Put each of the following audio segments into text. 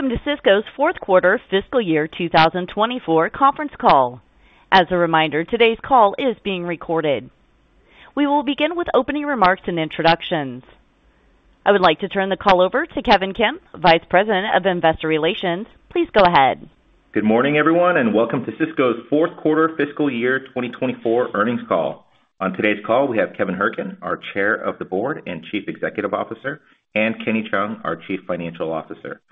Welcome to Sysco's fourth quarter fiscal year 2024 conference call. As a reminder, today's call is being recorded. We will begin with opening remarks and introductions. I would like to turn the call over to Kevin Kim, Vice President of Investor Relations. Please go ahead. Good morning, everyone, and welcome to Sysco's fourth quarter fiscal year 2024 earnings call. On today's call, we have Kevin Hourican, our Chair of the Board and Chief Executive Officer, and Kenny Cheung, our Chief Financial Officer.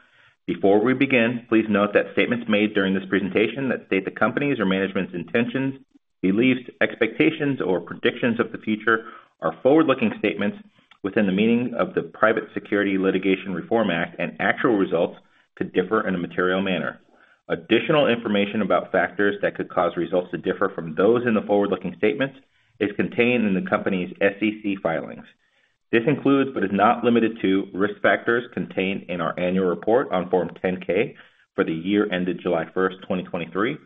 Before we begin, please note that statements made during this presentation that state the company's or management's intentions, beliefs, expectations, or predictions of the future are forward-looking statements within the meaning of the Private Securities Litigation Reform Act, and actual results could differ in a material manner. Additional information about factors that could cause results to differ from those in the forward-looking statements is contained in the company's SEC filings. This includes, but is not limited to, risk factors contained in our annual report on Form 10-K for the year ended July 1, 2023,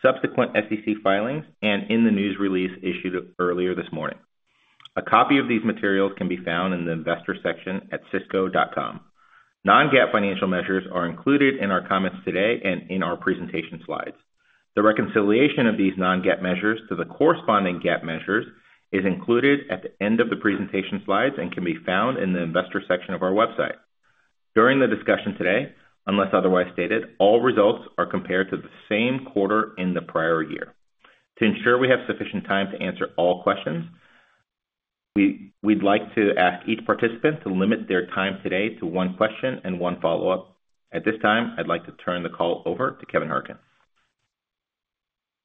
subsequent SEC filings, and in the news release issued earlier this morning. A copy of these materials can be found in the Investor section at Sysco.com. Non-GAAP financial measures are included in our comments today and in our presentation slides. The reconciliation of these non-GAAP measures to the corresponding GAAP measures is included at the end of the presentation slides and can be found in the Investor section of our website. During the discussion today, unless otherwise stated, all results are compared to the same quarter in the prior year. To ensure we have sufficient time to answer all questions, we'd like to ask each participant to limit their time today to one question and one follow-up. At this time, I'd like to turn the call over to Kevin Hourican.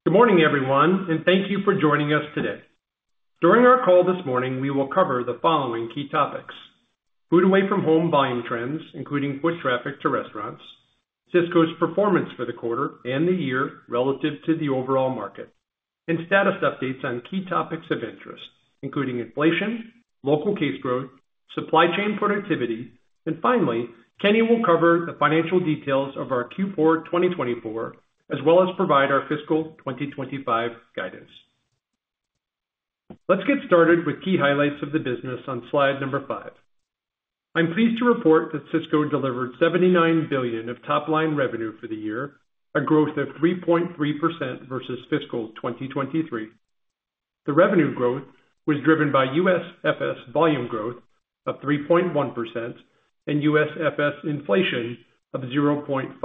Good morning, everyone, and thank you for joining us today. During our call this morning, we will cover the following key topics: food away from home buying trends, including foot traffic to restaurants, Sysco's performance for the quarter and the year relative to the overall market, and status updates on key topics of interest, including inflation, local case growth, supply chain productivity, and finally, Kenny will cover the financial details of our Q4 2024, as well as provide our fiscal 2025 guidance. Let's get started with key highlights of the business on slide five. I'm pleased to report that Sysco delivered $79 billion of top-line revenue for the year, a growth of 3.3% versus fiscal 2023. The revenue growth was driven by USFS volume growth of 3.1% and USFS inflation of 0.5%.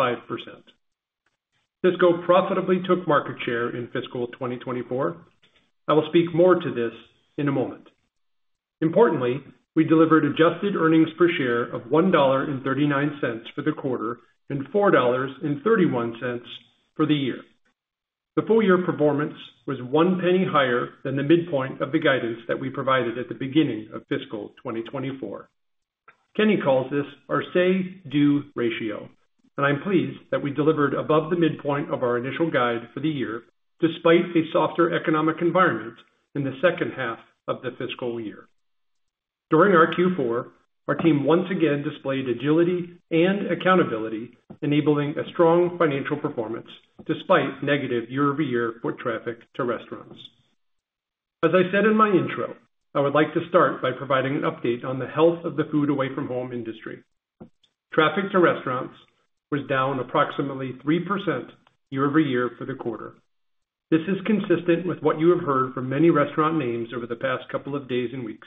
Sysco profitably took market share in fiscal 2024. I will speak more to this in a moment. Importantly, we delivered adjusted earnings per share of $1.39 for the quarter and $4.31 for the year. The full year performance was $0.01 higher than the midpoint of the guidance that we provided at the beginning of fiscal 2024. Kenny calls this our Say-Do Ratio, and I'm pleased that we delivered above the midpoint of our initial guide for the year, despite a softer economic environment in the second half of the fiscal year. During our Q4, our team once again displayed agility and accountability, enabling a strong financial performance despite negative year-over-year foot traffic to restaurants. As I said in my intro, I would like to start by providing an update on the health of the food away from home industry. Traffic to restaurants was down approximately 3% year-over-year for the quarter. This is consistent with what you have heard from many restaurant names over the past couple of days and weeks.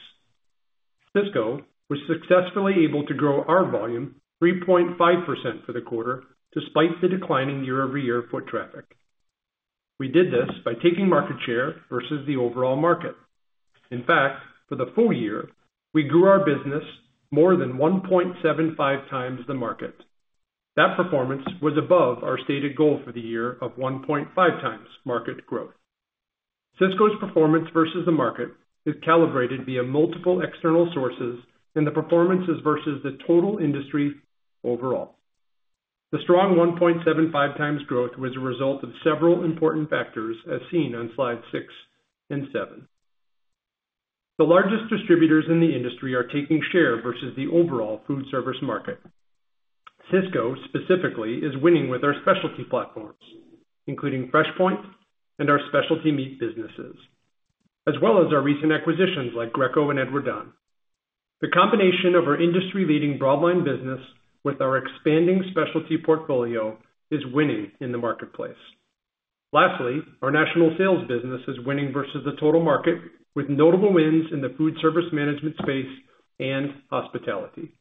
Sysco was successfully able to grow our volume 3.5% for the quarter, despite the declining year-over-year foot traffic. We did this by taking market share versus the overall market. In fact, for the full year, we grew our business more than 1.75 times the market. That performance was above our stated goal for the year of 1.5 times market growth. Sysco's performance versus the market is calibrated via multiple external sources, and the performance is versus the total industry overall. The strong 1.75 times growth was a result of several important factors, as seen on slides six and seven. The largest distributors in the industry are taking share versus the overall food service market. Sysco, specifically, is winning with our specialty platforms, including FreshPoint and our specialty meat businesses, as well as our recent acquisitions, like Greco and Edward Don. The combination of our industry-leading Broadline business with our expanding specialty portfolio is winning in the marketplace. Lastly, our national sales business is winning versus the total market, with notable wins in the Foodservice Management space and hospitality.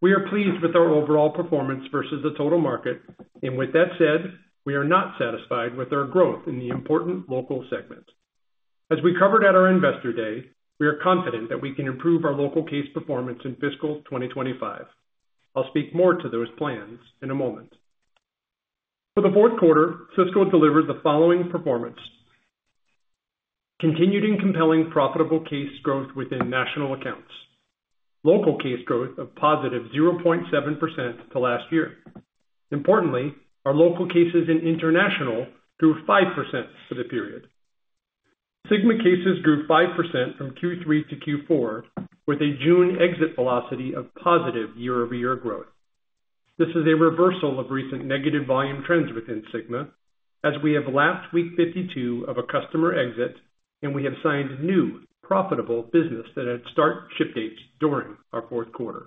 We are pleased with our overall performance versus the total market, and with that said, we are not satisfied with our growth in the important local segment. As we covered at our Investor Day, we are confident that we can improve our local case performance in fiscal 2025. I'll speak more to those plans in a moment. For the fourth quarter, Sysco delivered the following performance: continued and compelling profitable case growth within national accounts, local case growth of positive 0.7% to last year. Importantly, our local cases in International grew 5% for the period. SYGMA cases grew 5% from Q3 to Q4, with a June exit velocity of positive year-over-year growth. This is a reversal of recent negative volume trends within SYGMA, as we have lapped week 52 of a customer exit, and we have signed new profitable business that had start-ship dates during our fourth quarter.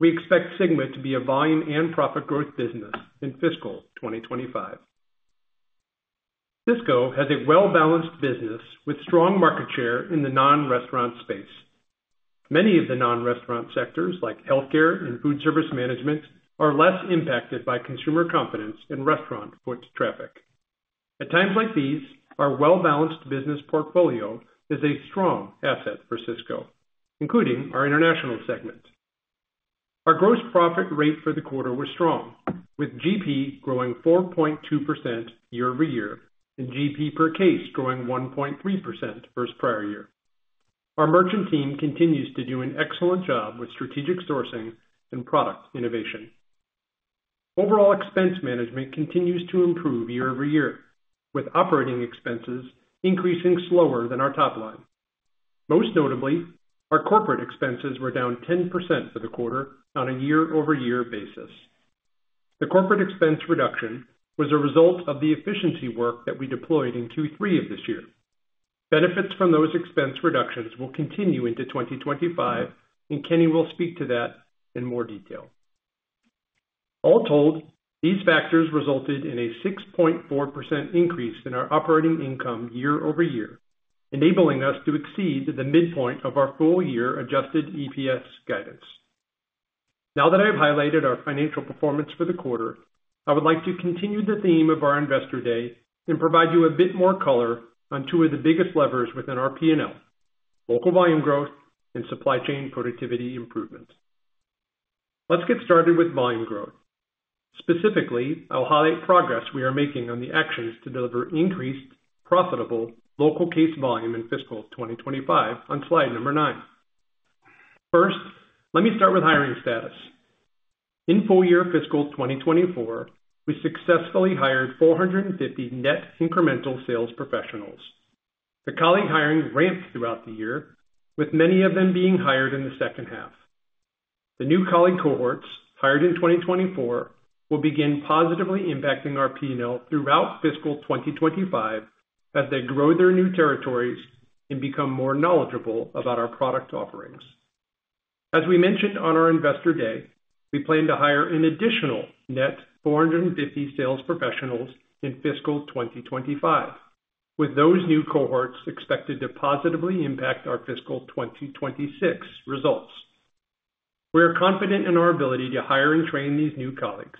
We expect SYGMA to be a volume and profit growth business in fiscal 2025. Sysco has a well-balanced business with strong market share in the non-restaurant space. Many of the non-restaurant sectors, like healthcare and Foodservice Management, are less impacted by consumer confidence and restaurant foot traffic. At times like these, our well-balanced business portfolio is a strong asset for Sysco, including our International segment. Our gross profit rate for the quarter was strong, with GP growing 4.2% year-over-year, and GP per case growing 1.3% versus prior year. Our merchant team continues to do an excellent job with strategic sourcing and product innovation. Overall expense management continues to improve year-over-year, with operating expenses increasing slower than our top line. Most notably, our corporate expenses were down 10% for the quarter on a year-over-year basis. The corporate expense reduction was a result of the efficiency work that we deployed in Q3 of this year. Benefits from those expense reductions will continue into 2025, and Kenny will speak to that in more detail. All told, these factors resulted in a 6.4% increase in our operating income year-over-year, enabling us to exceed the midpoint of our full-year Adjusted EPS guidance. Now that I have highlighted our financial performance for the quarter, I would like to continue the theme of our Investor Day and provide you a bit more color on two of the biggest levers within our P&L, local volume growth and supply chain productivity improvements. Let's get started with volume growth. Specifically, I'll highlight progress we are making on the actions to deliver increased, profitable local case volume in fiscal 2025 on slide nine. First, let me start with hiring status. In full-year fiscal 2024, we successfully hired 450 net incremental sales professionals. The colleague hiring ramped throughout the year, with many of them being hired in the second half. The new colleague cohorts, hired in 2024, will begin positively impacting our P&L throughout fiscal 2025 as they grow their new territories and become more knowledgeable about our product offerings. As we mentioned on our Investor Day, we plan to hire an additional net 450 sales professionals in fiscal 2025, with those new cohorts expected to positively impact our fiscal 2026 results. We are confident in our ability to hire and train these new colleagues.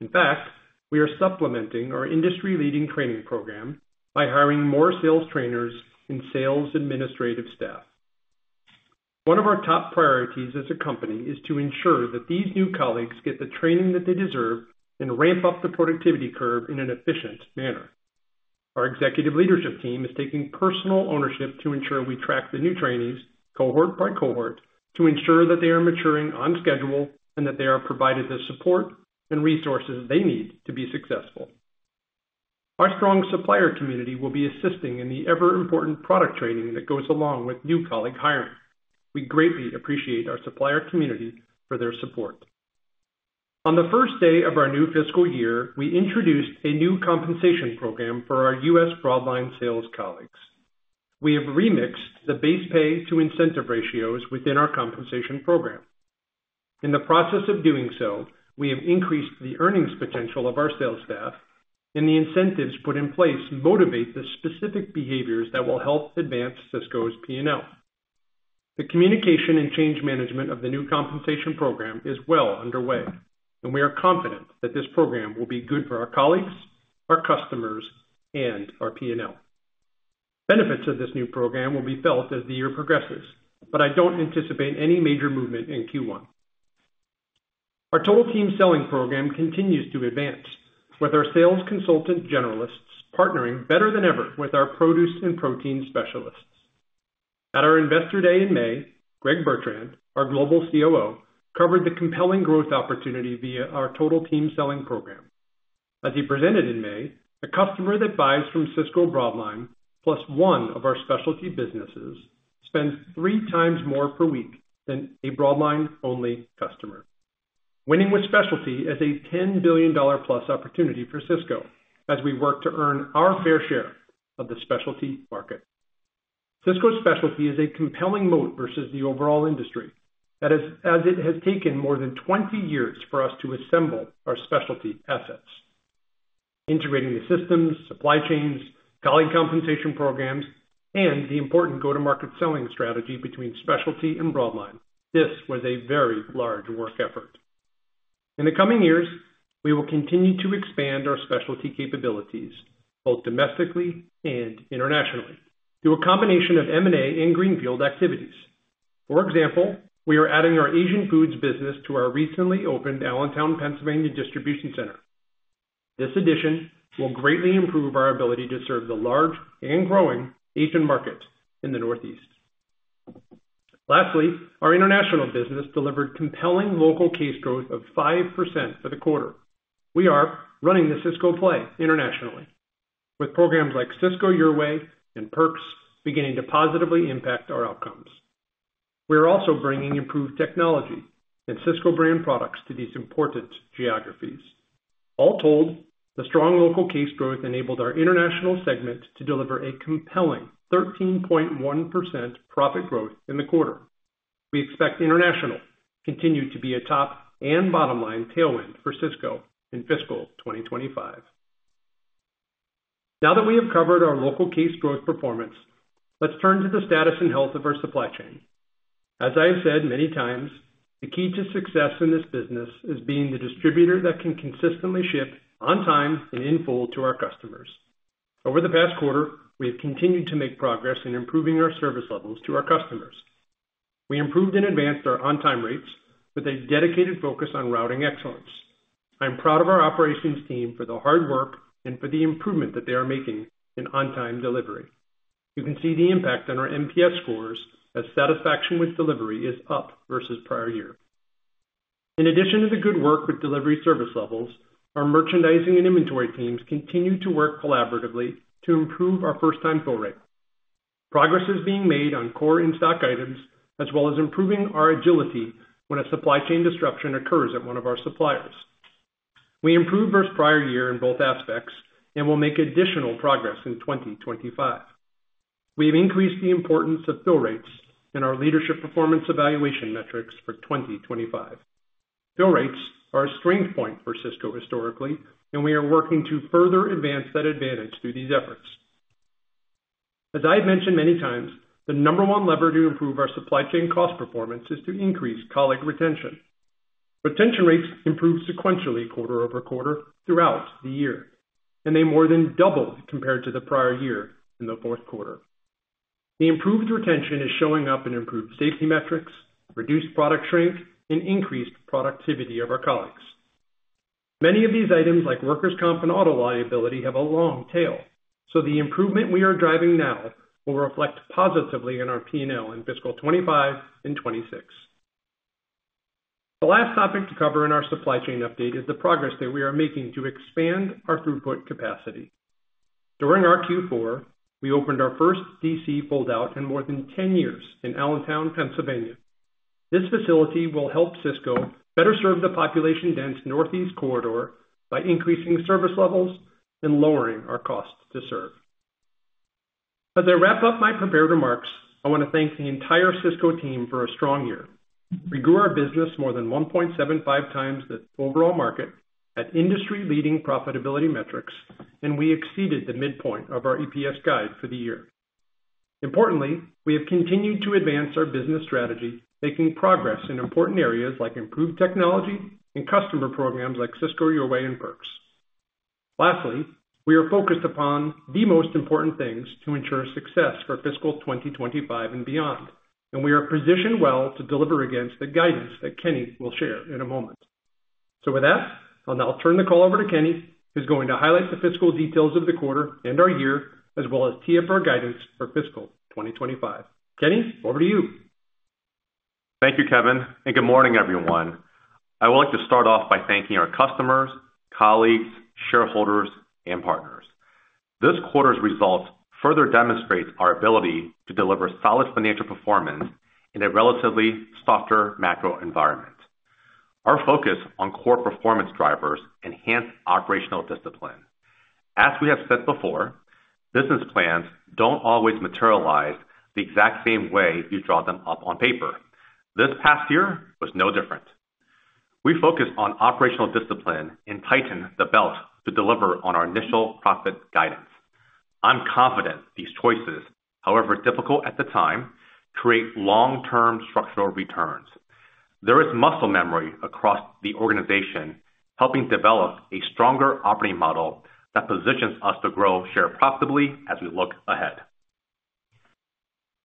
In fact, we are supplementing our industry-leading training program by hiring more sales trainers and sales administrative staff. One of our top priorities as a company is to ensure that these new colleagues get the training that they deserve and ramp up the productivity curve in an efficient manner. Our executive leadership team is taking personal ownership to ensure we track the new trainees, cohort by cohort, to ensure that they are maturing on schedule and that they are provided the support and resources they need to be successful. Our strong supplier community will be assisting in the ever-important product training that goes along with new colleague hiring. We greatly appreciate our supplier community for their support. On the first day of our new fiscal year, we introduced a new compensation program for our U.S. Broadline sales colleagues. We have remixed the base pay to incentive ratios within our compensation program. In the process of doing so, we have increased the earnings potential of our sales staff, and the incentives put in place motivate the specific behaviors that will help advance Sysco's P&L. The communication and change management of the new compensation program is well underway, and we are confident that this program will be good for our colleagues, our customers, and our P&L. Benefits of this new program will be felt as the year progresses, but I don't anticipate any major movement in Q1. Our Total Team Selling program continues to advance, with our sales consultant generalists partnering better than ever with our produce and protein specialists. At our Investor Day in May, Greg Bertrand, our Global COO, covered the compelling growth opportunity via our Total Team Selling program. As he presented in May, a customer that buys from Sysco Broadline, plus one of our specialty businesses, spends three times more per week than a Broadline-only customer. Winning with specialty is a $10 billion+ opportunity for Sysco as we work to earn our fair share of the specialty market. Sysco Specialty is a compelling moat versus the overall industry. That is, as it has taken more than 20 years for us to assemble our specialty assets, integrating the systems, supply chains, colleague compensation programs, and the important go-to-market selling strategy between specialty and Broadline. This was a very large work effort. In the coming years, we will continue to expand our specialty capabilities, both Domestically and Internationally, through a combination of M&A and greenfield activities. For example, we are adding our Asian Foods business to our recently opened Allentown, Pennsylvania, distribution center. This addition will greatly improve our ability to serve the large and growing Asian market in the Northeast. Lastly, our International business delivered compelling local case growth of 5% for the quarter. We are running the Sysco play Internationally with programs like Sysco Your Way and Perks beginning to positively impact our outcomes. We are also bringing improved technology and Sysco Brand products to these important geographies. All told, the strong local case growth enabled our International segment to deliver a compelling 13.1% profit growth in the quarter. We expect International continue to be a top and bottom-line tailwind for Sysco in fiscal 2025. Now that we have covered our local case growth performance, let's turn to the status and health of our supply chain. As I have said many times, the key to success in this business is being the distributor that can consistently ship on time and in full to our customers. Over the past quarter, we have continued to make progress in improving our service levels to our customers. We improved and advanced our on-time rates with a dedicated focus on routing excellence. I'm proud of our operations team for the hard work and for the improvement that they are making in on-time delivery. You can see the impact on our NPS scores as satisfaction with delivery is up versus prior year. In addition to the good work with delivery service levels, our merchandising and inventory teams continue to work collaboratively to improve our first-time fill rate. Progress is being made on core in-stock items, as well as improving our agility when a supply chain disruption occurs at one of our suppliers. We improved versus prior year in both aspects and will make additional progress in 2025. We've increased the importance of fill rates in our leadership performance evaluation metrics for 2025. Fill rates are a strength point for Sysco historically, and we are working to further advance that advantage through these efforts. As I've mentioned many times, the number one lever to improve our supply chain cost performance is to increase colleague retention. Retention rates improved sequentially, quarter-over-quarter, throughout the year, and they more than doubled compared to the prior year in the fourth quarter. The improved retention is showing up in improved safety metrics, reduced product shrink, and increased productivity of our colleagues. Many of these items, like workers' comp and auto liability, have a long tail, so the improvement we are driving now will reflect positively in our P&L in fiscal 2025 and 2026. The last topic to cover in our supply chain update is the progress that we are making to expand our throughput capacity. During our Q4, we opened our first DC build-out in more than 10 years in Allentown, Pennsylvania. This facility will help Sysco better serve the population-dense Northeast Corridor by increasing service levels and lowering our costs to serve. As I wrap up my prepared remarks, I want to thank the entire Sysco team for a strong year. We grew our business more than 1.75 times the overall market at industry-leading profitability metrics, and we exceeded the midpoint of our EPS guide for the year. Importantly, we have continued to advance our business strategy, making progress in important areas like improved technology and customer programs like Sysco Your Way and Perks. Lastly, we are focused upon the most important things to ensure success for fiscal 2025 and beyond, and we are positioned well to deliver against the guidance that Kenny will share in a moment. With that, I'll now turn the call over to Kenny, who's going to highlight the fiscal details of the quarter and our year, as well as tee up our guidance for fiscal 2025. Kenny, over to you. Thank you, Kevin, and good morning, everyone. I would like to start off by thanking our customers, colleagues, shareholders, and partners. This quarter's results further demonstrates our ability to deliver solid financial performance in a relatively softer macro environment. Our focus on core performance drivers enhance operational discipline. As we have said before, business plans don't always materialize the exact same way you draw them up on paper. This past year was no different. We focused on operational discipline and tightened the belt to deliver on our initial profit guidance. I'm confident these choices, however difficult at the time, create long-term structural returns. There is muscle memory across the organization, helping develop a stronger operating model that positions us to grow share profitably as we look ahead.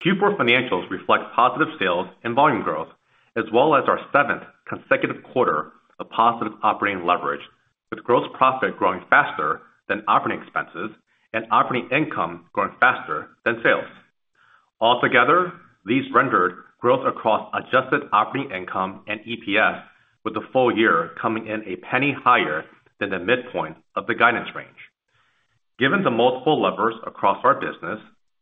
Q4 financials reflect positive sales and volume growth, as well as our seventh consecutive quarter of positive operating leverage, with gross profit growing faster than operating expenses and operating income growing faster than sales. Altogether, these rendered growth across adjusted operating income and EPS, with the full year coming in a penny higher than the midpoint of the guidance range. Given the multiple levers across our business,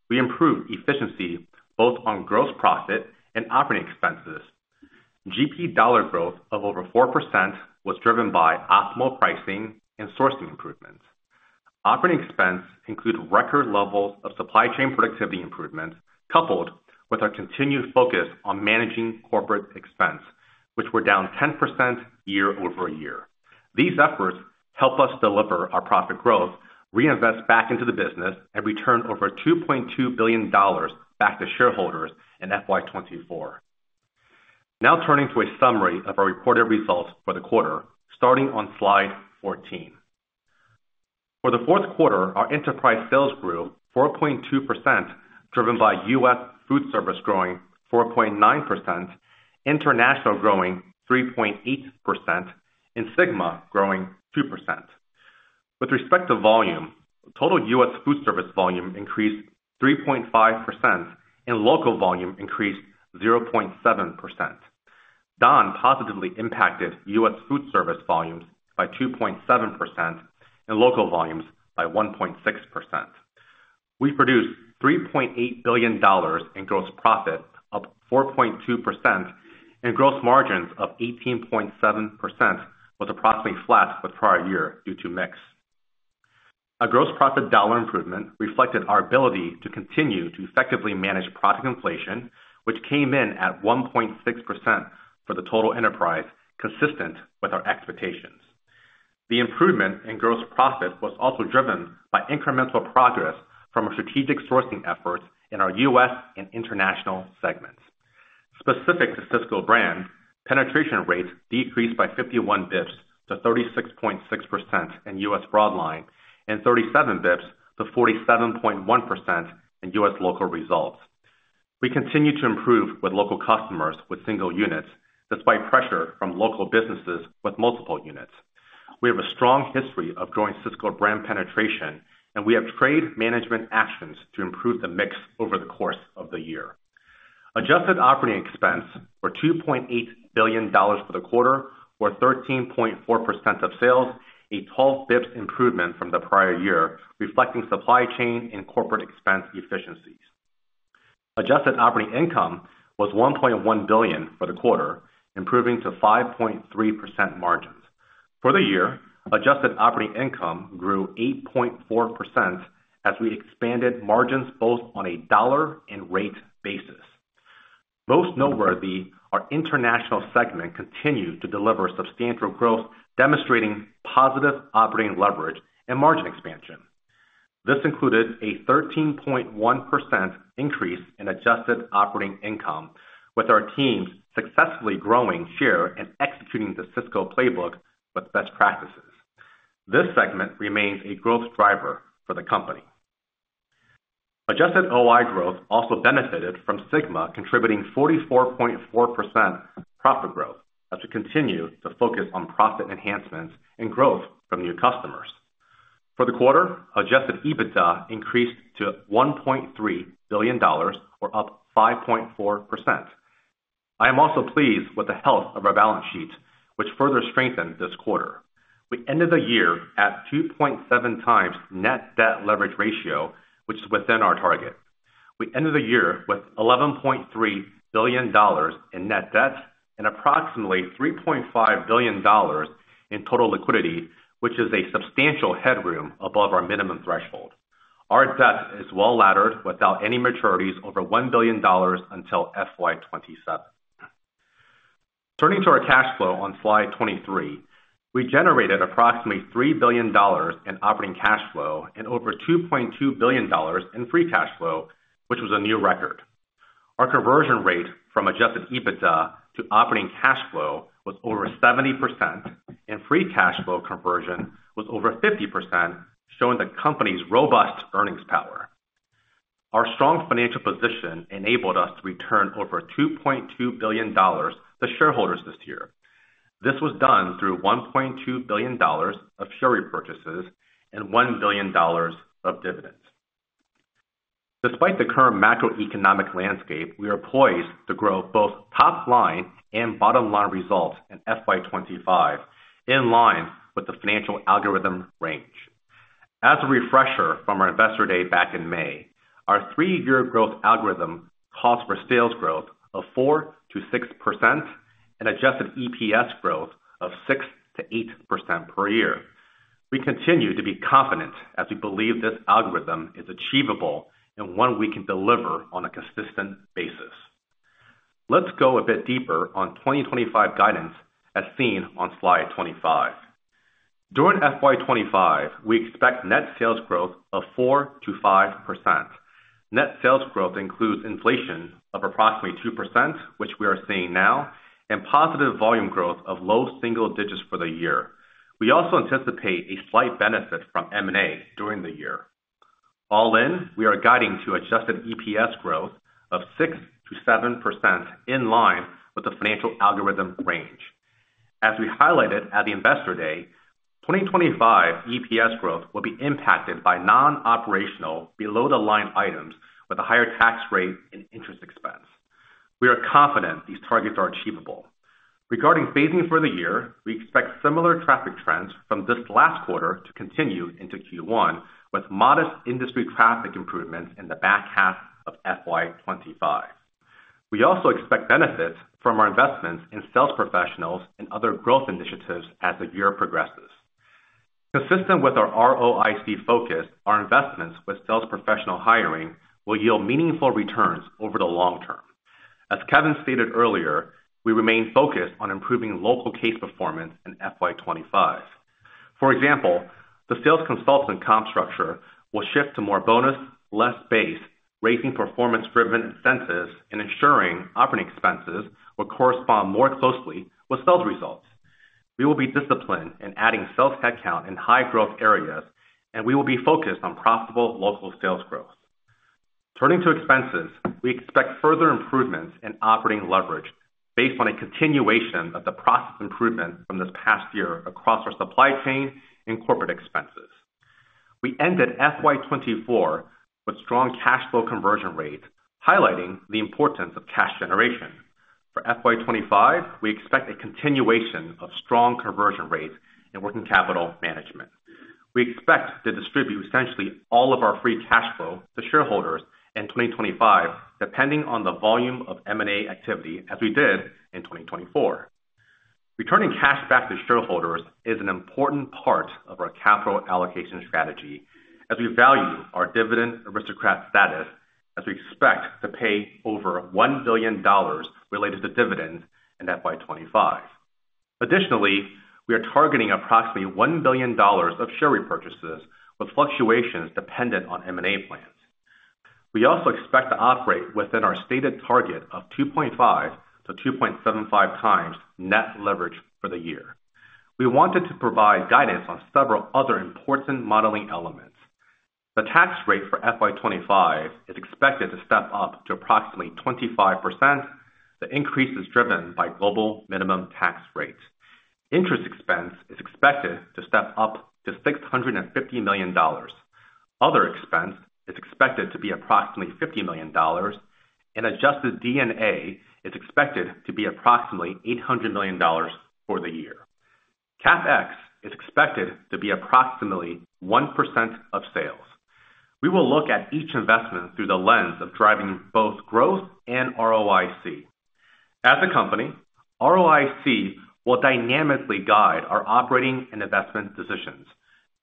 we improved efficiency both on gross profit and operating expenses. GP dollar growth of over 4% was driven by optimal pricing and sourcing improvements. Operating expenses include record levels of supply chain productivity improvement, coupled with our continued focus on managing corporate expenses, which were down 10% year-over-year. These efforts help us deliver our profit growth, reinvest back into the business, and return over $2.2 billion back to shareholders in FY 2024. Now turning to a summary of our reported results for the quarter, starting on slide 14. For the fourth quarter, our enterprise sales grew 4.2%, driven by U.S. Foodservice growing 4.9%, International growing 3.8%, and SYGMA growing 2%. With respect to volume, total U.S. Foodservice volume increased 3.5%, and local volume increased 0.7%. Don positively impacted U.S. Foodservice volumes by 2.7% and local volumes by 1.6%. We produced $3.8 billion in gross profit, up 4.2%, and gross margins of 18.7%, was approximately flat with prior year due to mix. Our gross profit dollar improvement reflected our ability to continue to effectively manage profit inflation, which came in at 1.6% for the total enterprise, consistent with our expectations. The improvement in gross profit was also driven by incremental progress from our strategic sourcing efforts in our U.S. and International segments. Specific to Sysco Brands, penetration rates decreased by 51 basis points to 36.6% in U.S. Broadline and 37 basis points to 47.1% in U.S. local results. We continue to improve with local customers with single units, despite pressure from local businesses with multiple units. We have a strong history of growing Sysco Brand penetration, and we have trade management actions to improve the mix over the course of the year. Adjusted operating expenses were $2.8 billion for the quarter, or 13.4% of sales, a 12 basis points improvement from the prior year, reflecting supply chain and corporate expense efficiencies. Adjusted operating income was $1.1 billion for the quarter, improving to 5.3% margins. For the year, adjusted operating income grew 8.4% as we expanded margins both on a dollar and rate basis. Most noteworthy, our International segment continued to deliver substantial growth, demonstrating positive operating leverage and margin expansion. This included a 13.1% increase in adjusted operating income, with our teams successfully growing share and executing the Sysco playbook with best practices. This segment remains a growth driver for the company. Adjusted OI growth also benefited from SYGMA, contributing 44.4% profit growth as we continue to focus on profit enhancements and growth from new customers. For the quarter, Adjusted EBITDA increased to $1.3 billion, or up 5.4%. I am also pleased with the health of our balance sheet, which further strengthened this quarter. We ended the year at 2.7 times net debt leverage ratio, which is within our target. We ended the year with $11.3 billion in net debt and approximately $3.5 billion in total liquidity, which is a substantial headroom above our minimum threshold. Our debt is well laddered without any maturities over $1 billion until FY 2027. Turning to our cash flow on slide 23, we generated approximately $3 billion in operating cash flow and over $2.2 billion in free cash flow, which was a new record. Our conversion rate from Adjusted EBITDA to operating cash flow was over 70%, and free cash flow conversion was over 50%, showing the company's robust earnings power. Our strong financial position enabled us to return over $2.2 billion to shareholders this year. This was done through $1.2 billion of share repurchases and $1 billion of dividends. Despite the current macroeconomic landscape, we are poised to grow both top line and bottom line results in FY 2025, in line with the financial algorithm range. As a refresher from our Investor Day back in May, our three-year growth algorithm calls for sales growth of 4%-6% and Adjusted EPS growth of 6%-8% per year. We continue to be confident as we believe this algorithm is achievable and one we can deliver on a consistent basis. Let's go a bit deeper on 2025 guidance, as seen on slide 25. During FY 2025, we expect net sales growth of 4%-5%. Net sales growth includes inflation of approximately 2%, which we are seeing now, and positive volume growth of low single digits for the year. We also anticipate a slight benefit from M&A during the year. All in, we are guiding to Adjusted EPS growth of 6%-7% in line with the financial algorithm range. As we highlighted at the Investor Day, 2025 EPS growth will be impacted by non-operational below-the-line items with a higher tax rate and interest expense. We are confident these targets are achievable. Regarding phasing for the year, we expect similar traffic trends from this last quarter to continue into Q1, with modest industry traffic improvements in the back half of FY 2025. We also expect benefits from our investments in sales professionals and other growth initiatives as the year progresses. Consistent with our ROIC focus, our investments with sales professional hiring will yield meaningful returns over the long term. As Kevin stated earlier, we remain focused on improving local case performance in FY 2025. For example, the sales consultant comp structure will shift to more bonus, less base, raising performance-driven incentives and ensuring operating expenses will correspond more closely with sales results. We will be disciplined in adding sales headcount in high-growth areas, and we will be focused on profitable local sales growth. Turning to expenses, we expect further improvements in operating leverage based on a continuation of the process improvement from this past year across our supply chain and corporate expenses. We ended FY 2024 with strong cash flow conversion rates, highlighting the importance of cash generation. For FY 2025, we expect a continuation of strong conversion rates and working capital management. We expect to distribute essentially all of our free cash flow to shareholders in 2025, depending on the volume of M&A activity, as we did in 2024. Returning cash back to shareholders is an important part of our capital allocation strategy as we value our dividend aristocrat status, as we expect to pay over $1 billion related to dividends in FY 2025. Additionally, we are targeting approximately $1 billion of share repurchases, with fluctuations dependent on M&A plans. We also expect to operate within our stated target of 2.5-2.75 times net leverage for the year. We wanted to provide guidance on several other important modeling elements. The tax rate for FY 2025 is expected to step up to approximately 25%. The increase is driven by global minimum tax rates. Interest expense is expected to step up to $650 million. Other expense is expected to be approximately $50 million, and Adjusted EBITDA is expected to be approximately $800 million for the year. CapEx is expected to be approximately 1% of sales. We will look at each investment through the lens of driving both growth and ROIC. As a company, ROIC will dynamically guide our operating and investment decisions,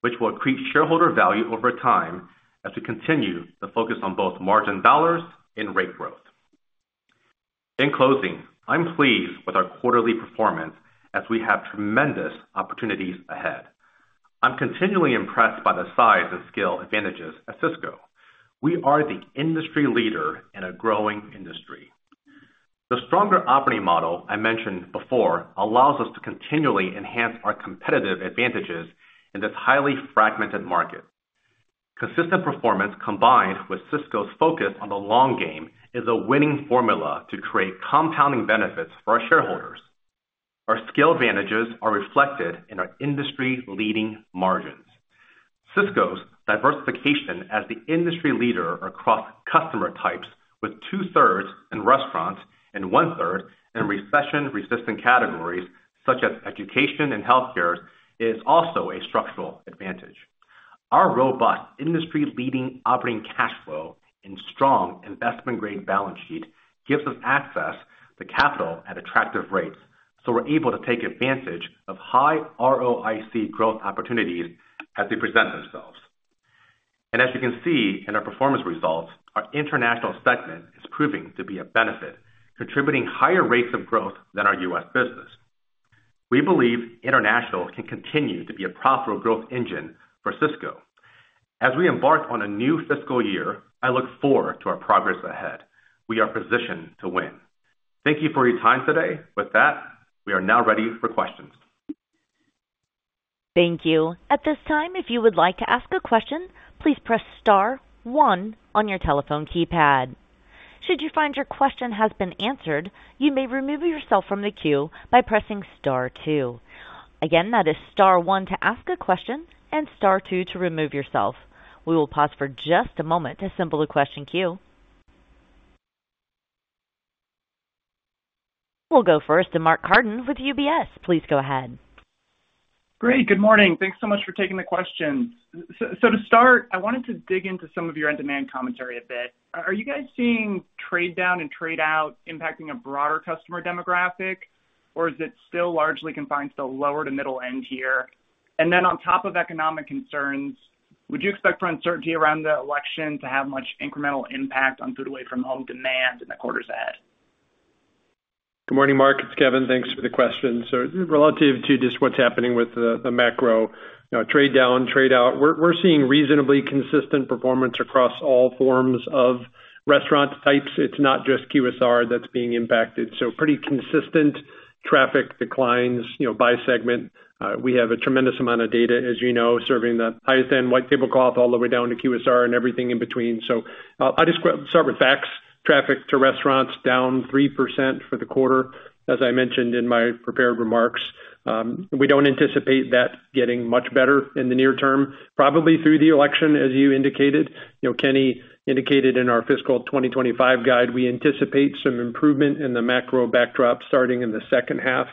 which will increase shareholder value over time as we continue to focus on both margin dollars and rate growth. In closing, I'm pleased with our quarterly performance as we have tremendous opportunities ahead. I'm continually impressed by the size and scale advantages at Sysco. We are the industry leader in a growing industry. The stronger operating model I mentioned before allows us to continually enhance our competitive advantages in this highly fragmented market. Consistent performance, combined with Sysco's focus on the long game, is a winning formula to create compounding benefits for our shareholders. Our scale advantages are reflected in our industry-leading margins. Sysco's diversification as the industry leader across customer types, with two-thirds in restaurants and one-third in recession-resistant categories, such as education and healthcare, is also a structural advantage. Our robust, industry-leading operating cash flow and strong investment-grade balance sheet gives us access to capital at attractive rates, so we're able to take advantage of high ROIC growth opportunities as they present themselves. As you can see in our performance results, our International segment is proving to be a benefit, contributing higher rates of growth than our U.S. business. We believe International can continue to be a profitable growth engine for Sysco. As we embark on a new fiscal year, I look forward to our progress ahead. We are positioned to win. Thank you for your time today. With that, we are now ready for questions. Thank you. At this time, if you would like to ask a question, please press star one on your telephone keypad. Should you find your question has been answered, you may remove yourself from the queue by pressing star two. Again, that is star one to ask a question and star two to remove yourself. We will pause for just a moment to assemble a question queue. We'll go first to Mark Carden with UBS. Please go ahead. Great. Good morning. Thanks so much for taking the questions. So, to start, I wanted to dig into some of your on-demand commentary a bit. Are you guys seeing trade down and trade out impacting a broader customer demographic, or is it still largely confined to the lower to middle end tier? And then on top of economic concerns, would you expect for uncertainty around the election to have much incremental impact on food away from home demand in the quarters ahead? Good morning, Mark. It's Kevin. Thanks for the question. So relative to just what's happening with the macro, you know, trade down, trade out, we're seeing reasonably consistent performance across all forms of restaurant types. It's not just QSR that's being impacted. So pretty consistent traffic declines, you know, by segment. We have a tremendous amount of data, as you know, serving the highest end white tablecloth, all the way down to QSR and everything in between. So I describe Circana tracks, traffic to restaurants down 3% for the quarter, as I mentioned in my prepared remarks. We don't anticipate that getting much better in the near term, probably through the election, as you indicated. You know, Kenny indicated in our fiscal 2025 guide, we anticipate some improvement in the macro backdrop starting in the second half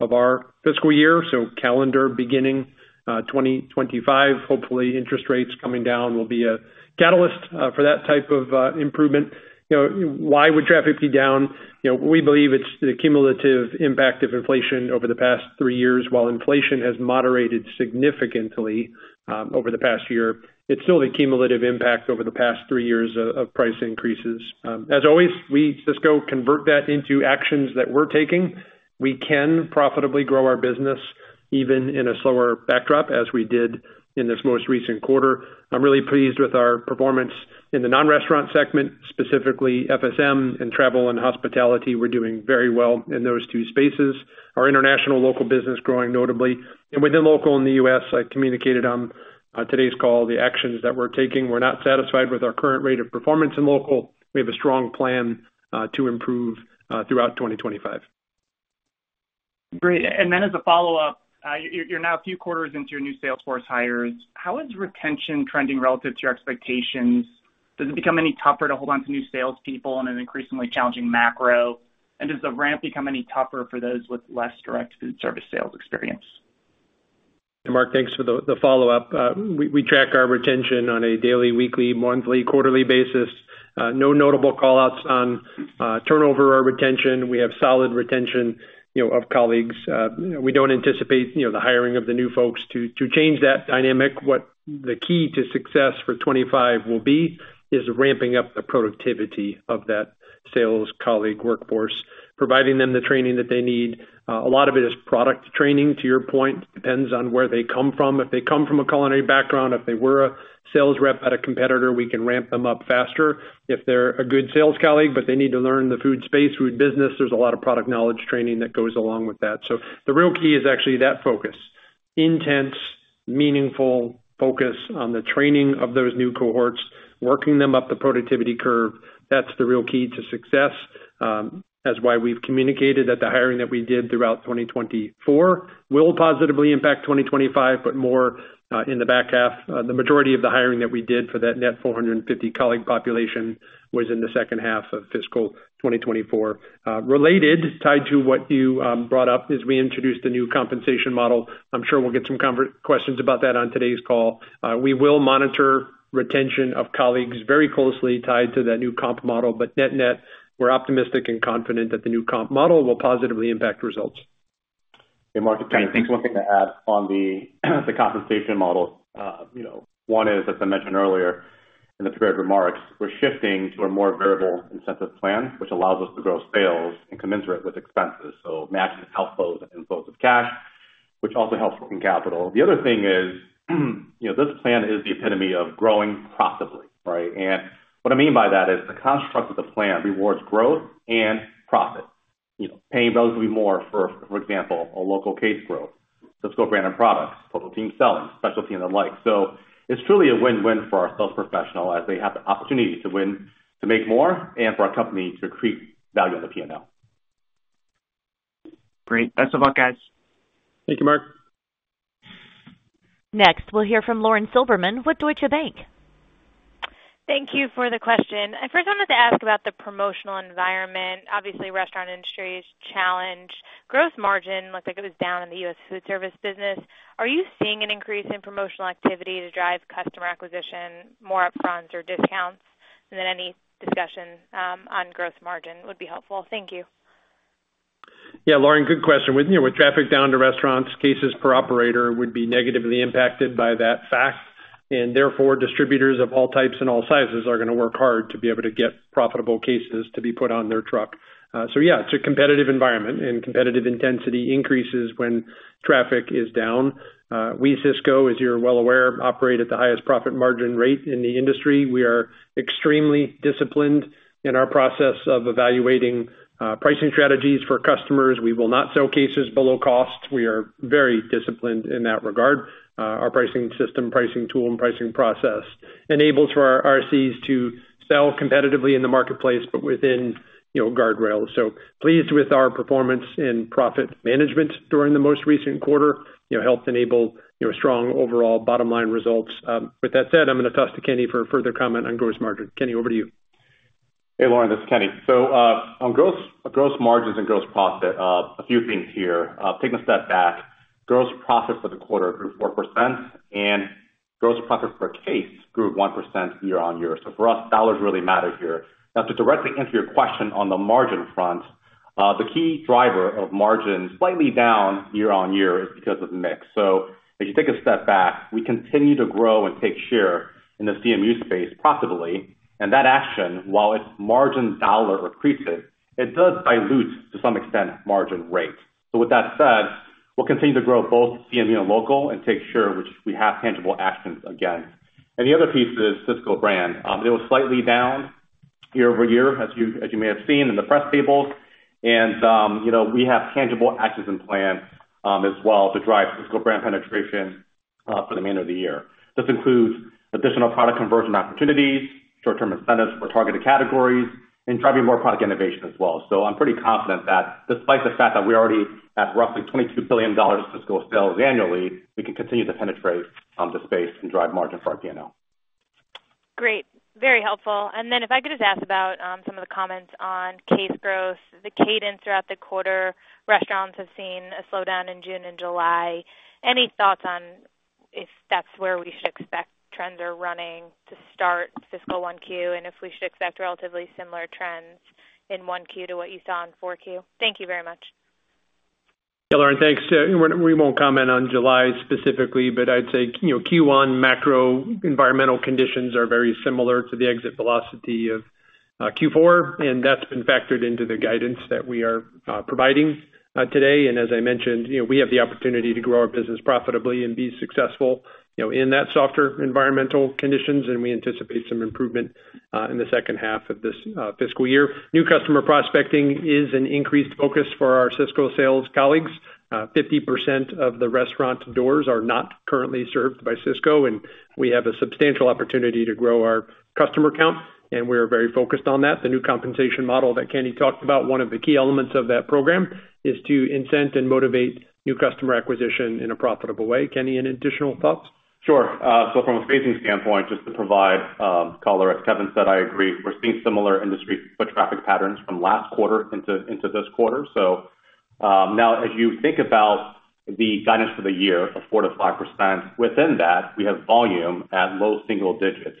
of our fiscal year, so calendar beginning 2025. Hopefully, interest rates coming down will be a catalyst for that type of improvement. You know, why would traffic be down? You know, we believe it's the cumulative impact of inflation over the past three years. While inflation has moderated significantly over the past year, it's still the cumulative impact over the past three years of price increases. As always, we at Sysco convert that into actions that we're taking. We can profitably grow our business, even in a slower backdrop, as we did in this most recent quarter. I'm really pleased with our performance in the non-restaurant segment, specifically FSM and travel and hospitality. We're doing very well in those two spaces. Our International local business growing notably, and within local in the U.S., I communicated on today's call the actions that we're taking. We're not satisfied with our current rate of performance in local. We have a strong plan to improve throughout 2025. Great. And then as a follow-up, you're now a few quarters into your new sales force hires. How is retention trending relative to your expectations? Does it become any tougher to hold onto new salespeople in an increasingly challenging macro? And does the ramp become any tougher for those with less direct food service sales experience? Mark, thanks for the follow-up. We track our retention on a daily, weekly, monthly, quarterly basis. No notable callouts on turnover or retention. We have solid retention, you know, of colleagues. You know, we don't anticipate the hiring of the new folks to change that dynamic. What the key to success for 25 will be is ramping up the productivity of that sales colleague workforce, providing them the training that they need. A lot of it is product training, to your point, depends on where they come from. If they come from a culinary background, if they were a sales rep at a competitor, we can ramp them up faster. If they're a good sales colleague, but they need to learn the food space, food business, there's a lot of product knowledge training that goes along with that. So the real key is actually that focus. Intense, meaningful focus on the training of those new cohorts, working them up the productivity curve, that's the real key to success. That's why we've communicated that the hiring that we did throughout 2024 will positively impact 2025, but more in the back half. The majority of the hiring that we did for that net 450 colleague population was in the second half of fiscal 2024. Related, tied to what you brought up, is we introduced a new compensation model. I'm sure we'll get some questions about that on today's call. We will monitor retention of colleagues very closely tied to that new comp model, but net-net, we're optimistic and confident that the new comp model will positively impact results. Hey, Mark, it's Kenny. Thanks. One thing to add on the compensation model. You know, one is, as I mentioned earlier in the prepared remarks, we're shifting to a more variable incentive plan, which allows us to grow sales and commensurate with expenses, so matching outflows and inflows of cash, which also helps working capital. The other thing is, you know, this plan is the epitome of growing profitably, right? And what I mean by that is the construct of the plan rewards growth and profit. You know, paying relatively more for, for example, a local case growth, Sysco Brand new product, Total Team Selling, specialty and the like. So it's truly a win-win for our sales professional, as they have the opportunity to win, to make more, and for our company to accrete value on the P&L. Great. Best of luck, guys. Thank you, Mark. Next, we'll hear from Lauren Silberman with Deutsche Bank. Thank you for the question. I first wanted to ask about the promotional environment. Obviously, the restaurant industry is challenged. Gross margin looks like it was down in the U.S. Foodservice business. Are you seeing an increase in promotional activity to drive customer acquisition more upfront or discounts? And then any discussion on gross margin would be helpful. Thank you. Yeah, Lauren, good question. With, you know, with traffic down to restaurants, cases per operator would be negatively impacted by that fact, and therefore, distributors of all types and all sizes are gonna work hard to be able to get profitable cases to be put on their truck. So yeah, it's a competitive environment, and competitive intensity increases when traffic is down. We, Sysco, as you're well aware, operate at the highest profit margin rate in the industry. We are extremely disciplined in our process of evaluating pricing strategies for customers. We will not sell cases below cost. We are very disciplined in that regard. Our pricing system, pricing tool, and pricing process enables for our SCs to sell competitively in the marketplace, but within, you know, guardrails. So pleased with our performance in profit management during the most recent quarter, you know, helped enable, you know, strong overall bottom line results. With that said, I'm gonna toss to Kenny for further comment on gross margin. Kenny, over to you. Hey, Lauren, this is Kenny. So, on gross margins and gross profit, a few things here. Taking a step back, gross profit for the quarter grew 4%, and gross profit per case grew 1% year-on-year. So for us, dollars really matter here. Now, to directly answer your question on the margin front, the key driver of margin slightly down year-on-year is because of mix. So if you take a step back, we continue to grow and take share in the CMU space profitably, and that action, while its margin dollar increases, it does dilute, to some extent, margin rate. So with that said, we'll continue to grow both CMU and local and take share, which we have tangible actions again. And the other piece is Sysco Brand. It was slightly down year-over-year, as you may have seen in the press tables. You know, we have tangible actions and plans as well to drive Sysco Brand penetration for the remainder of the year. This includes additional product conversion opportunities, short-term incentives for targeted categories, and probably more product innovation as well. I'm pretty confident that despite the fact that we're already at roughly $22 billion of Sysco sales annually, we can continue to penetrate the space and drive margin for our P&L. Great, very helpful. And then if I could just ask about some of the comments on case growth, the cadence throughout the quarter. Restaurants have seen a slowdown in June and July. Any thoughts on if that's where we should expect trends are running to start fiscal one Q, and if we should expect relatively similar trends in Q1 to what you saw in 4Q? Thank you very much. Yeah, Lauren, thanks. We won't comment on July specifically, but I'd say, you know, Q1 macro environmental conditions are very similar to the exit velocity of Q4, and that's been factored into the guidance that we are providing today. And as I mentioned, you know, we have the opportunity to grow our business profitably and be successful, you know, in that softer environmental conditions, and we anticipate some improvement in the second half of this fiscal year. New customer prospecting is an increased focus for our Sysco sales colleagues. 50% of the restaurant doors are not currently served by Sysco, and we have a substantial opportunity to grow our customer count, and we are very focused on that. The new compensation model that Kenny talked about, one of the key elements of that program is to incent and motivate new customer acquisition in a profitable way. Kenny, any additional thoughts? Sure. So from a spacing standpoint, just to provide color, as Kevin said, I agree, we're seeing similar industry foot traffic patterns from last quarter into this quarter. So now as you think about the guidance for the year of 4%-5%, within that, we have volume at low single digits.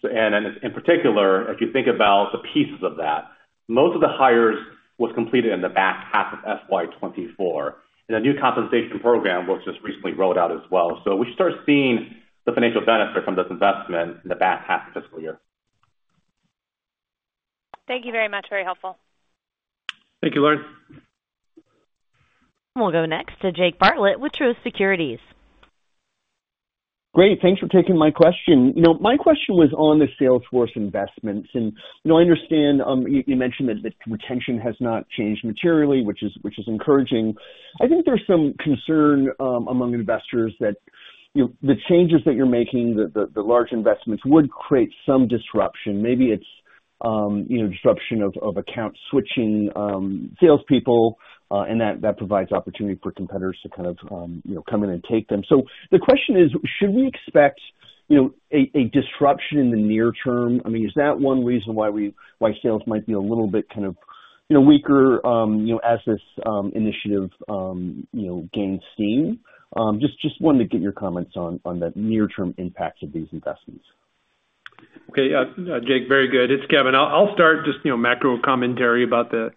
So and in particular, if you think about the pieces of that, most of the hires was completed in the back half of FY 2024, and a new compensation program was just recently rolled out as well. So we should start seeing the financial benefit from this investment in the back half of the fiscal year. Thank you very much. Very helpful. Thank you, Lauren. We'll go next to Jake Bartlett with Truist Securities. Great, thanks for taking my question. You know, my question was on the sales force investments, and, you know, I understand you mentioned that the retention has not changed materially, which is encouraging. I think there's some concern among investors that, you know, the changes that you're making, the large investments would create some disruption. Maybe it's, you know, disruption of account switching, salespeople, and that provides opportunity for competitors to kind of, you know, come in and take them. So the question is: should we expect, you know, a disruption in the near term? I mean, is that one reason why sales might be a little bit kind of, you know, weaker, you know, as this initiative you know gains steam? Just wanted to get your comments on the near-term impacts of these investments. Okay, Jake, very good. It's Kevin. I'll start just, you know, macro commentary about the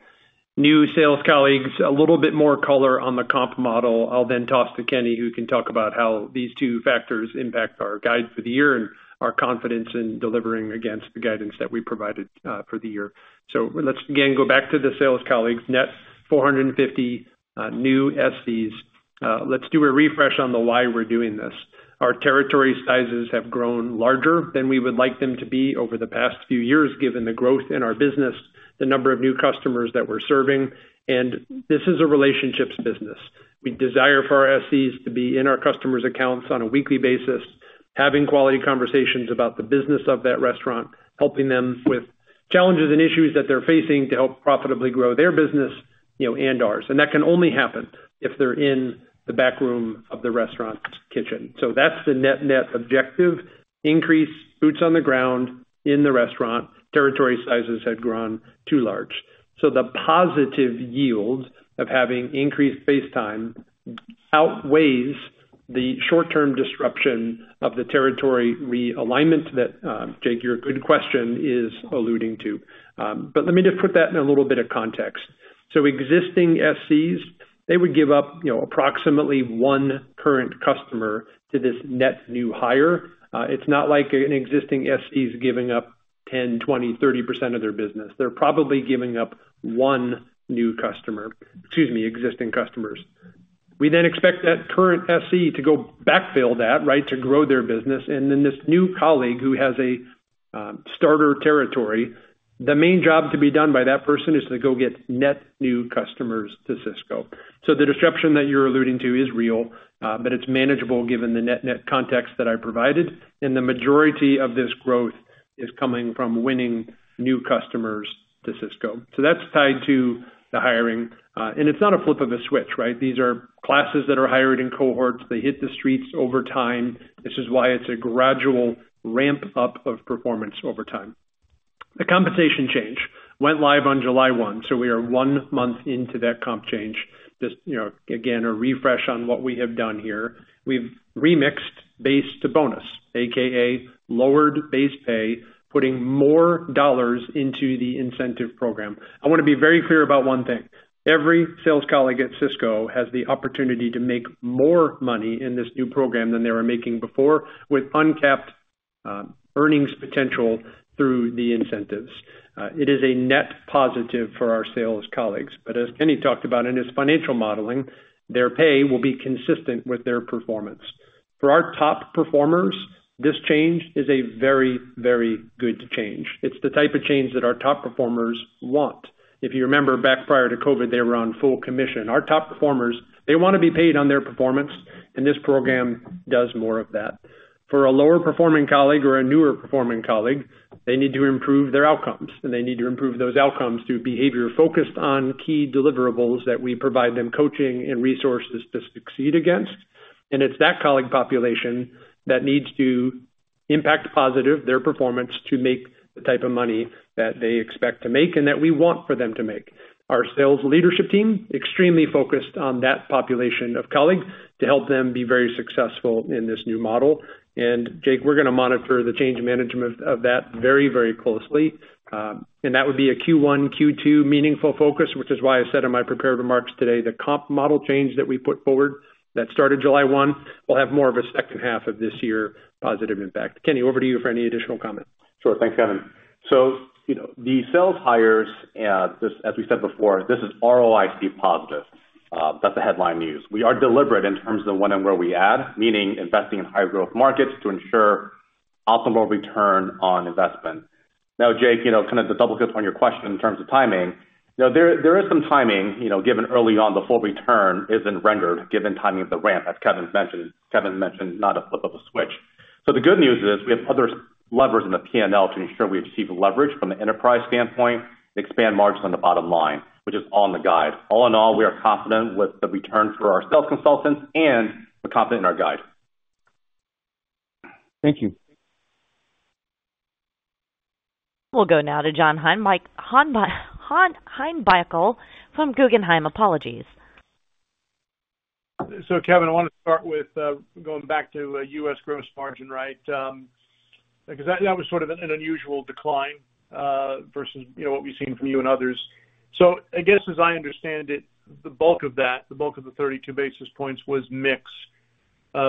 new sales colleagues, a little bit more color on the comp model. I'll then toss to Kenny, who can talk about how these two factors impact our guide for the year and our confidence in delivering against the guidance that we provided for the year. So let's again go back to the sales colleagues, net 450 new SCs. Let's do a refresh on the why we're doing this. Our territory sizes have grown larger than we would like them to be over the past few years, given the growth in our business, the number of new customers that we're serving, and this is a relationships business. We desire for our SCs to be in our customers' accounts on a weekly basis, having quality conversations about the business of that restaurant, helping them with challenges and issues that they're facing to help profitably grow their business, you know, and ours. And that can only happen if they're in the back room of the restaurant's kitchen. So that's the net-net objective, increase boots on the ground in the restaurant. Territory sizes had grown too large. So the positive yield of having increased face time outweighs the short-term disruption of the territory realignment that, Jake, your good question is alluding to. But let me just put that in a little bit of context. So existing SCs, they would give up, you know, approximately one current customer to this net new hire. It's not like an existing SC is giving up 10%, 20%, 30% of their business. They're probably giving up one new customer. Excuse me, existing customers. We then expect that current SC to go backfill that, right? To grow their business, and then this new colleague who has a starter territory, the main job to be done by that person is to go get net new customers to Sysco. So the disruption that you're alluding to is real, but it's manageable given the net-net context that I provided, and the majority of this growth is coming from winning new customers to Sysco. So that's tied to the hiring. It's not a flip of a switch, right? These are classes that are hired in cohorts. They hit the streets over time. This is why it's a gradual ramp-up of performance over time. The compensation change went live on July 1, so we are one month into that comp change. Just, you know, again, a refresh on what we have done here. We've remixed base to bonus, AKA lowered base pay, putting more dollars into the incentive program. I want to be very clear about one thing. Every sales colleague at Sysco has the opportunity to make more money in this new program than they were making before, with uncapped earnings potential through the incentives. It is a net positive for our sales colleagues, but as Kenny talked about in his financial modeling, their pay will be consistent with their performance. For our top performers, this change is a very, very good change. It's the type of change that our top performers want. If you remember, back prior to COVID, they were on full commission. Our top performers, they want to be paid on their performance, and this program does more of that. For a lower performing colleague or a newer performing colleague, they need to improve their outcomes, and they need to improve those outcomes through behavior focused on key deliverables that we provide them, coaching and resources to succeed against. And it's that colleague population that needs to impact positive their performance to make the type of money that they expect to make and that we want for them to make. Our sales leadership team extremely focused on that population of colleagues to help them be very successful in this new model. And Jake, we're gonna monitor the change in management of that very, very closely. That would be a Q1, Q2 meaningful focus, which is why I said in my prepared remarks today, the comp model change that we put forward that started July 1, will have more of a second half of this year positive impact. Kenny, over to you for any additional comment. Sure. Thanks, Kevin. So, you know, the sales hires, this as we said before, this is ROIC positive. That's the headline news. We are deliberate in terms of when and where we add, meaning investing in high growth markets to ensure optimal return on investment. Now, Jake, you know, kind of to double click on your question in terms of timing, you know, there, there is some timing, you know, given early on, the full return isn't rendered, given timing of the ramp, as Kevin mentioned. Kevin mentioned, not a flip of a switch. So the good news is, we have other levers in the P&L to ensure we achieve leverage from the enterprise standpoint and expand margins on the bottom line, which is on the guide. All in all, we are confident with the return for our sales consultants and we're confident in our guide. Thank you. We'll go now to John Heinbockel from Guggenheim. Apologies. So, Kevin, I wanna start with going back to U.S. gross margin, right? Because that, that was sort of an unusual decline versus, you know, what we've seen from you and others. So I guess, as I understand it, the bulk of that, the bulk of the 32 basis points was mixed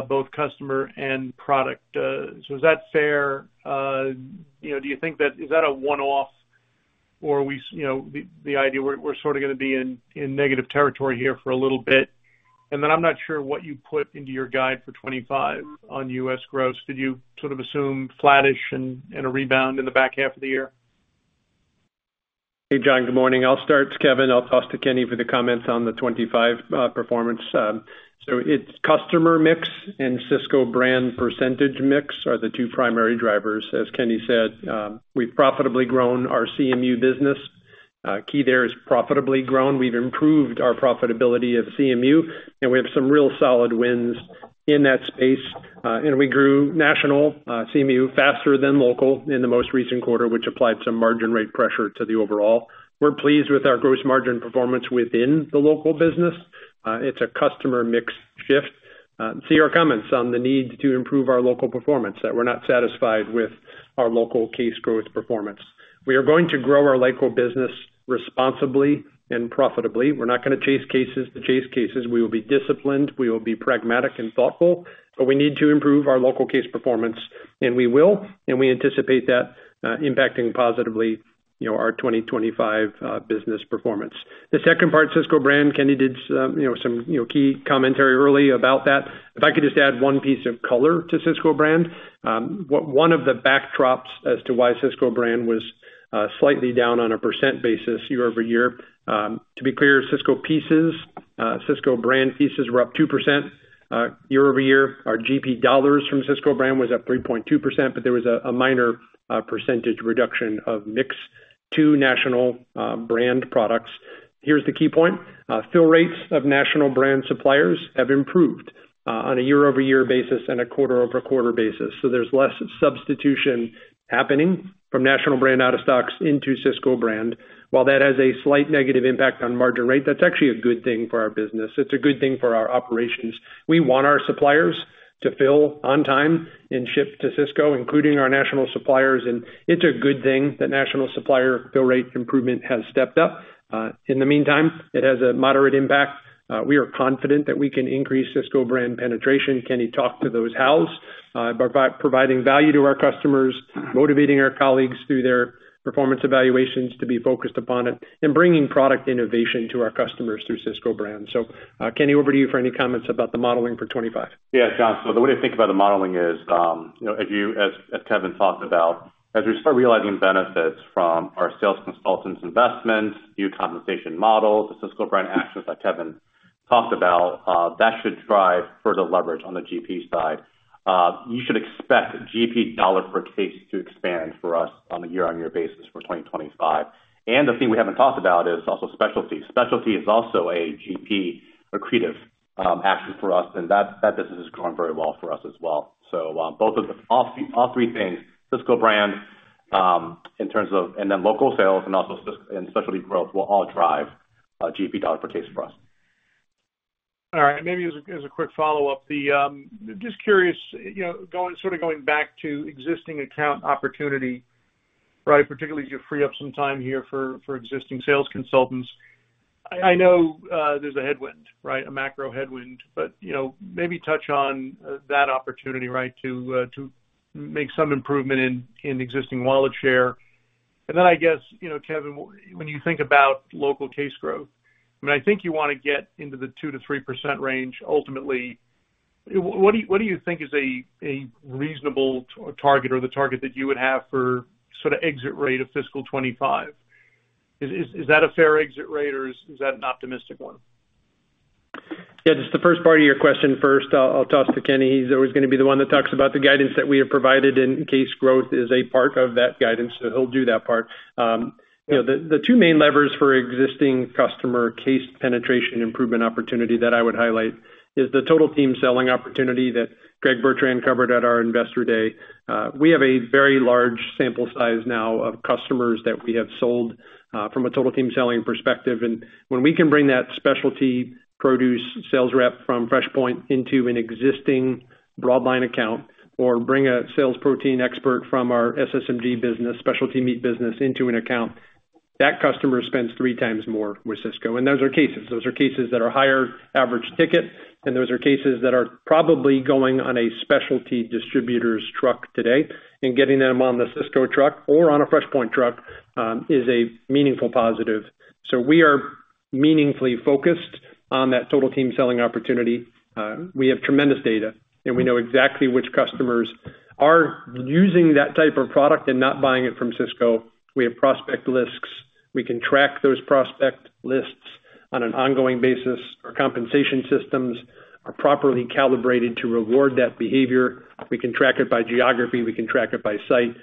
both customer and product. So is that fair? You know, do you think that is that a one-off or are we, you know, the, the idea we're, we're sorta gonna be in, in negative territory here for a little bit? And then I'm not sure what you put into your guide for 2025 on U.S. gross. Did you sort of assume flattish and a rebound in the back half of the year? Hey, John, good morning. I'll start, it's Kevin. I'll toss to Kenny for the comments on the 25 performance. So it's customer mix and Sysco Brand percentage mix are the two primary drivers. As Kenny said, we've profitably grown our CMU business. Key there is profitably grown. We've improved our profitability at CMU, and we have some real solid wins in that space. And we grew national CMU faster than local in the most recent quarter, which applied some margin rate pressure to the overall. We're pleased with our gross margin performance within the local business. It's a customer mix shift. See our comments on the need to improve our local performance, that we're not satisfied with our local case growth performance. We are going to grow our local business responsibly and profitably. We're not gonna chase cases to chase cases. We will be disciplined, we will be pragmatic and thoughtful, but we need to improve our local case performance, and we will, and we anticipate that, impacting positively, you know, our 2025, business performance. The second part, Sysco Brand, Kenny did some, you know, some, you know, key commentary early about that. If I could just add one piece of color to Sysco Brand, one, one of the backdrops as to why Sysco Brand was, slightly down on a percent basis year-over-year. To be clear, Sysco pieces, Sysco Brand pieces were up 2%, year-over-year. Our GP dollars from Sysco Brand was up 3.2%, but there was a, a minor, percentage reduction of mix to national brand products. Here's the key point: fill rates of national brand suppliers have improved, on a year-over-year basis and a quarter-over-quarter basis. So there's less substitution happening from national brand out of stocks into Sysco Brand. While that has a slight negative impact on margin rate, that's actually a good thing for our business. It's a good thing for our operations. We want our suppliers to fill on time and ship to Sysco, including our national suppliers, and it's a good thing that national supplier fill rate improvement has stepped up. In the meantime, it has a moderate impact. We are confident that we can increase Sysco Brand penetration. Kenny, talk to those hows. By providing value to our customers, motivating our colleagues through their performance evaluations to be focused upon it, and bringing product innovation to our customers through Sysco Brand. Kenny, over to you for any comments about the modeling for 2025. Yeah, John, so the way to think about the modeling is, you know, if you, as Kevin talked about, as we start realizing benefits from our sales consultants investments, new compensation models, the Sysco Brand actions that Kevin talked about, that should drive further leverage on the GP side. You should expect GP dollar per case to expand for us on a year-on-year basis for 2025. And the thing we haven't talked about is also specialty. Specialty is also a GP accretive action for us, and that business is growing very well for us as well. So, both of the all three, all three things, Sysco Brand, in terms of, and then local sales and also Sysco and specialty growth, will all drive GP dollar per case for us. All right. Maybe as a quick follow-up, just curious, you know, going, sort of going back to existing account opportunity, right? Particularly as you free up some time here for existing sales consultants. I know there's a headwind, right? A macro headwind, but, you know, maybe touch on that opportunity, right, to make some improvement in existing wallet share. And then I guess, you know, Kevin, when you think about local case growth, I mean, I think you wanna get into the 2%-3% range ultimately. What do you think is a reasonable target or the target that you would have for sort of exit rate of fiscal 2025? Is that a fair exit rate or is that an optimistic one? Yeah, just the first part of your question first, I'll toss to Kenny. He's always gonna be the one that talks about the guidance that we have provided, and case growth is a part of that guidance, so he'll do that part. You know, the two main levers for existing customer case penetration improvement opportunity that I would highlight is the Total Team Selling opportunity that Greg Bertrand covered at our Investor Day. We have a very large sample size now of customers that we have sold from a Total Team Selling perspective. And when we can bring that specialty produce sales rep from FreshPoint into an existing Broadline account or bring a sales protein expert from our SSMG business, specialty meat business, into an account, that customer spends three times more with Sysco. Those are cases, those are cases that are higher average ticket, and those are cases that are probably going on a specialty distributor's truck today and getting them on the Sysco truck or on a FreshPoint truck, is a meaningful positive. So we are meaningfully focused on that Total Team Selling opportunity. We have tremendous data, and we know exactly which customers are using that type of product and not buying it from Sysco. We have prospect lists. We can track those prospect lists on an ongoing basis. Our compensation systems are properly calibrated to reward that behavior. We can track it by geography, we can track it by site.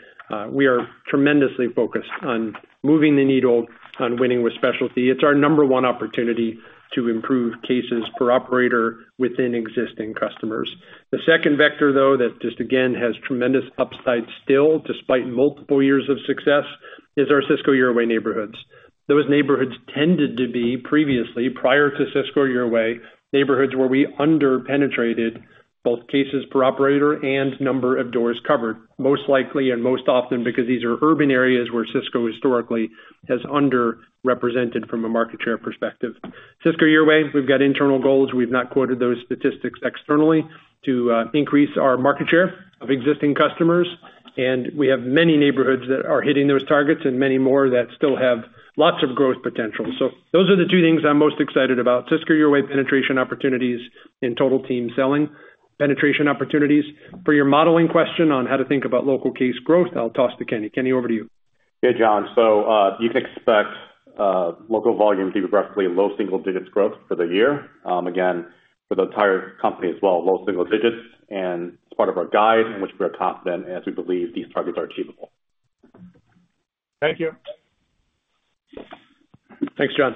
We are tremendously focused on moving the needle on winning with specialty. It's our number one opportunity to improve cases per operator within existing customers. The second vector, though, that just again has tremendous upside still, despite multiple years of success, is our Sysco Your Way neighborhoods. Those neighborhoods tended to be previously, prior to Sysco Your Way, neighborhoods where we under-penetrated both cases per operator and number of doors covered, most likely and most often because these are urban areas where Sysco historically has underrepresented from a market share perspective. Sysco Your Way, we've got internal goals. We've not quoted those statistics externally to increase our market share of existing customers, and we have many neighborhoods that are hitting those targets and many more that still have lots of growth potential. So those are the two things I'm most excited about, Sysco Your Way penetration opportunities and Total Team Selling penetration opportunities. For your modeling question on how to think about local case growth, I'll toss to Kenny. Kenny, over to you. Hey, John. So, you can expect local volume to be roughly low single digits growth for the year. Again, for the entire company as well, low single digits, and it's part of our guide in which we're confident as we believe these targets are achievable. Thank you. Thanks, John.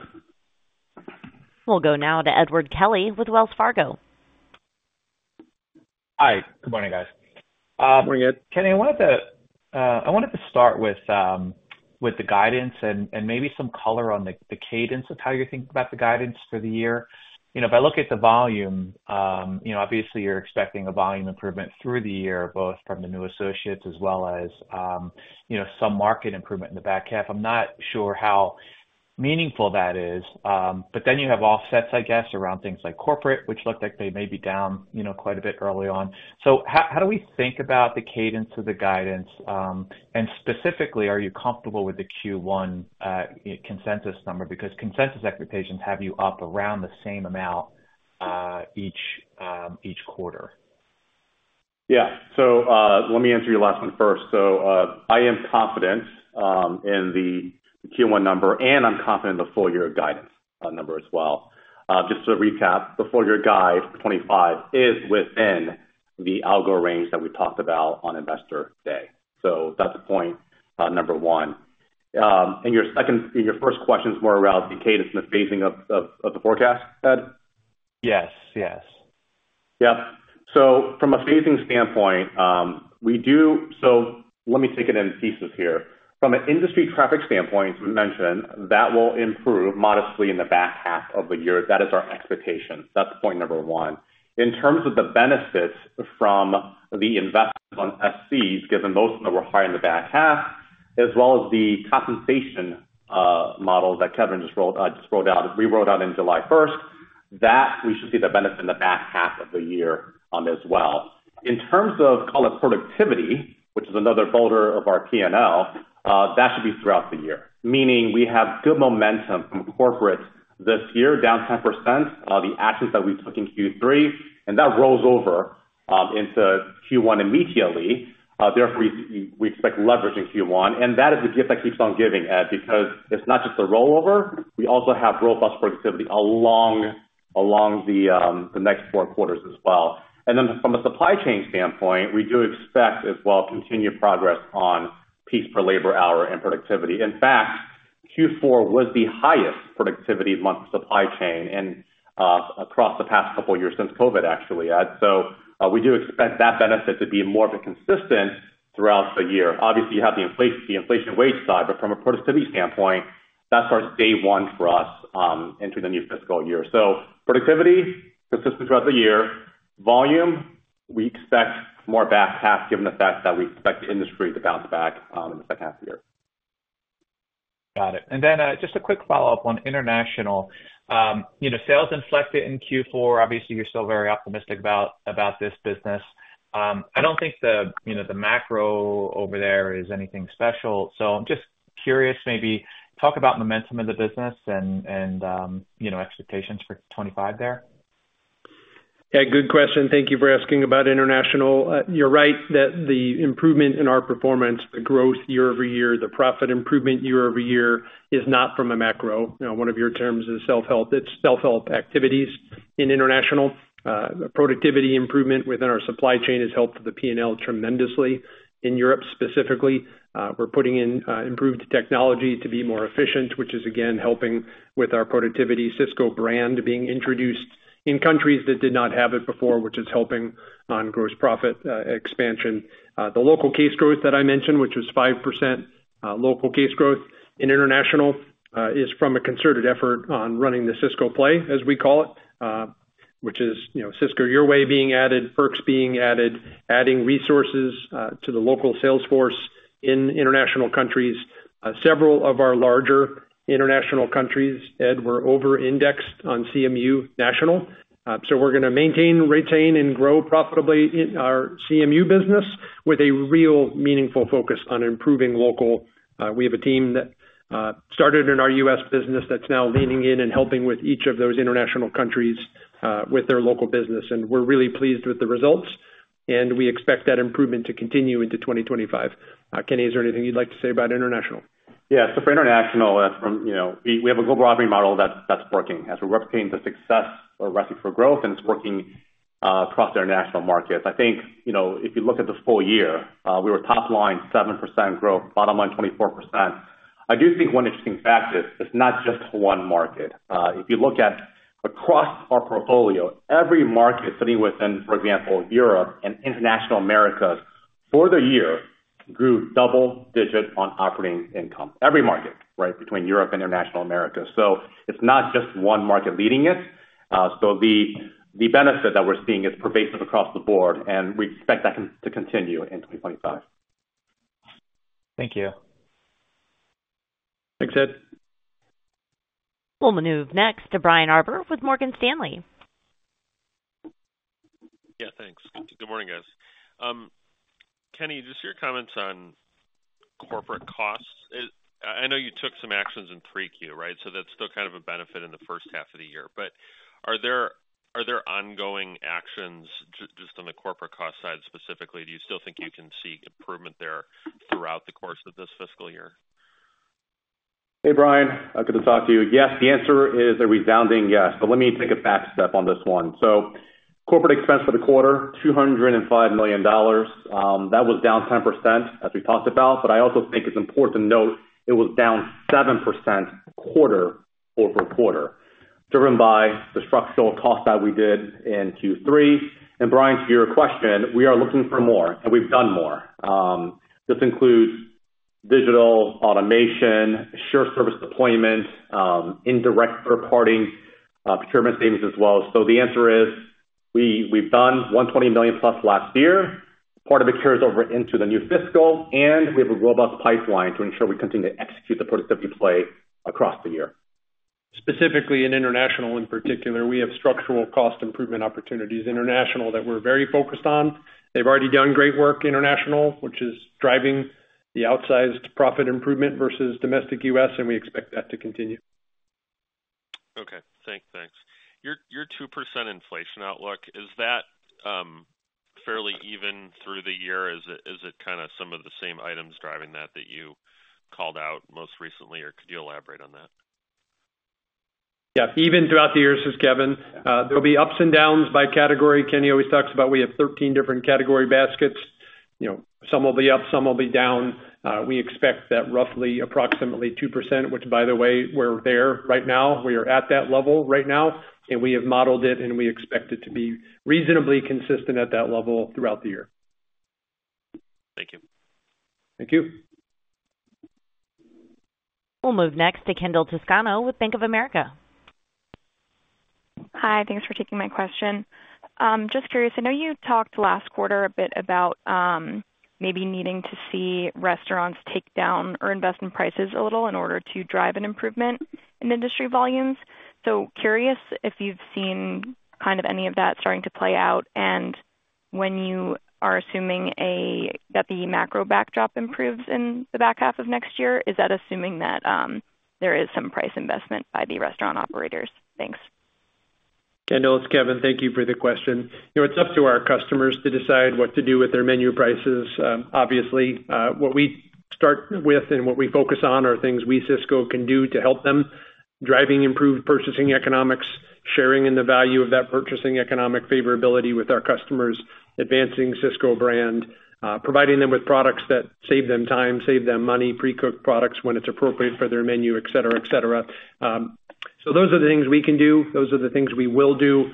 We'll go now to Edward Kelly with Wells Fargo. Hi, good morning, guys. Good morning, Ed. Kenny, I wanted to, I wanted to start with, with the guidance and, and maybe some color on the, the cadence of how you're thinking about the guidance for the year. You know, if I look at the volume, you know, obviously you're expecting a volume improvement through the year, both from the new associates as well as, you know, some market improvement in the back half. I'm not sure how meaningful that is, but then you have offsets, I guess, around things like corporate, which looked like they may be down, you know, quite a bit early on. So how, how do we think about the cadence of the guidance? And specifically, are you comfortable with the Q1, consensus number? Because consensus expectations have you up around the same amount, each, each quarter. Yeah. So, let me answer your last one first. So, I am confident in the Q1 number, and I'm confident in the full year guidance number as well. Just to recap, the full year guide, 25, is within the algo range that we talked about on Investor Day. So that's a point, number one. And your second and your first question is more around the cadence and the phasing of the forecast, Ed? Yes, yes. Yep. So from a phasing standpoint, we do. So let me take it in pieces here. From an industry traffic standpoint, as we mentioned, that will improve modestly in the back half of the year. That is our expectation. That's point number one. In terms of the benefits from the investment on SCs, given most of them were high in the back half, as well as the compensation model that Kevin just rolled just rolled out, we rolled out on July first, that we should see the benefit in the back half of the year, as well. In terms of, call it, productivity, which is another boulder of our P&L, that should be throughout the year, meaning we have good momentum from corporate this year, down 10%, the actions that we took in Q3, and that rolls over into Q1 immediately. Therefore, we expect leverage in Q1, and that is the gift that keeps on giving, Ed, because it's not just a rollover, we also have robust productivity along the next four quarters as well. And then from a supply chain standpoint, we do expect as well, continued progress on piece per labor hour and productivity. In fact, Q4 was the highest productivity month supply chain and across the past couple of years since COVID, actually, Ed. So, we do expect that benefit to be more of a consistent throughout the year. Obviously, you have the inflation, the inflation wage side, but from a productivity standpoint, that's our day one for us into the new fiscal year. So productivity, consistent throughout the year. Volume, we expect more back half given the fact that we expect the industry to bounce back, in the second half of the year. Got it. And then, just a quick follow-up on International. You know, sales inflected in Q4. Obviously, you're still very optimistic about this business. I don't think the, you know, the macro over there is anything special. So I'm just curious, maybe talk about momentum in the business and you know, expectations for 2025 there. Yeah, good question. Thank you for asking about International. You're right that the improvement in our performance, the growth year-over-year, the profit improvement year-over-year, is not from a macro. You know, one of your terms is self-help. It's self-help activities in International. Productivity improvement within our supply chain has helped the P&L tremendously. In Europe specifically, we're putting in improved technology to be more efficient, which is again helping with our productivity. Sysco Brand being introduced in countries that did not have it before, which is helping on gross profit expansion. The local case growth that I mentioned, which was 5%, local case growth in International, is from a concerted effort on running the Sysco Play, as we call it, which is, you know, Sysco Your Way being added, Perks being added, adding resources, to the local sales force in International countries. Several of our larger International countries, Ed, were over-indexed on CMU national. So we're gonna maintain, retain, and grow profitably in our CMU business with a real meaningful focus on improving local. We have a team that started in our U.S. business that's now leaning in and helping with each of those International countries, with their local business, and we're really pleased with the results. And we expect that improvement to continue into 2025. Kenny, is there anything you'd like to say about International? Yes. So for International, as from, you know, we, we have a global operating model that's, that's working. As we're replicating the success of Recipe for Growth, and it's working across the International markets. I think, you know, if you look at the full year, we were top line 7% growth, bottom line, 24%. I do think one interesting fact is, it's not just one market. If you look at across our portfolio, every market sitting within, for example, Europe and International Americas, for the year, grew double digits on operating income. Every market, right? Between Europe and International Americas. So it's not just one market leading it. So the, the benefit that we're seeing is pervasive across the board, and we expect that to, to continue in 2025. Thank you. Thanks, Ed. We'll move next to Brian Harbour with Morgan Stanley. Yeah, thanks. Good morning, guys. Kenny, just your comments on corporate costs. I know you took some actions in 3Q, right? So that's still kind of a benefit in the first half of the year. But are there ongoing actions just on the corporate cost side specifically? Do you still think you can see improvement there throughout the course of this fiscal year? Hey, Brian. Good to talk to you. Yes, the answer is a resounding yes, but let me take a backstep on this one. So corporate expense for the quarter, $205 million. That was down 10%, as we talked about, but I also think it's important to note it was down 7% quarter-over-quarter, driven by the structural cost that we did in Q3. And Brian, to your question, we are looking for more, and we've done more. This includes digital automation, shared service deployment, indirect reporting, procurement savings as well. So the answer is, we, we've done $120 million plus last year. Part of it carries over into the new fiscal, and we have a robust pipeline to ensure we continue to execute the productivity play across the year. Specifically in International, in particular, we have structural cost improvement opportunities, International, that we're very focused on. They've already done great work International, which is driving the outsized profit improvement versus domestic U.S., and we expect that to continue. Okay. Thanks. Your, your 2% inflation outlook, is that fairly even through the year? Is it, is it kind some of the same items driving that, that you called out most recently, or could you elaborate on that? Yeah. Even throughout the year, says Kevin. There will be ups and downs by category. Kenny always talks about we have 13 different category baskets. You know, some will be up, some will be down. We expect that roughly approximately 2%, which, by the way, we're there right now. We are at that level right now, and we have modeled it, and we expect it to be reasonably consistent at that level throughout the year. Thank you. Thank you. We'll move next to Kendall Toscano with Bank of America. Hi, thanks for taking my question. Just curious, I know you talked last quarter a bit about, maybe needing to see restaurants take down or invest in prices a little in order to drive an improvement in industry volumes. So curious if you've seen kind of any of that starting to play out and when you are assuming that the macro backdrop improves in the back half of next year, is that assuming that there is some price investment by the restaurant operators? Thanks. Kendall, it's Kevin. Thank you for the question. You know, it's up to our customers to decide what to do with their menu prices. Obviously, what we start with and what we focus on are things we, Sysco, can do to help them. Driving improved purchasing economics, sharing in the value of that purchasing economic favorability with our customers, advancing Sysco Brand, providing them with products that save them time, save them money, pre-cooked products when it's appropriate for their menu, et cetera, et cetera. So those are the things we can do. Those are the things we will do.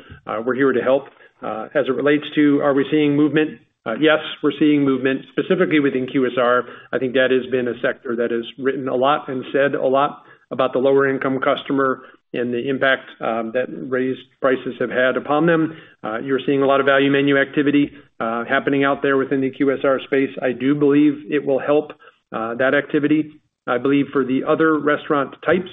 We're here to help. As it relates to, are we seeing movement? Yes, we're seeing movement, specifically within QSR. I think that has been a sector that has written a lot and said a lot about the lower-income customer and the impact that raised prices have had upon them. You're seeing a lot of value menu activity happening out there within the QSR space. I do believe it will help that activity. I believe for the other restaurant types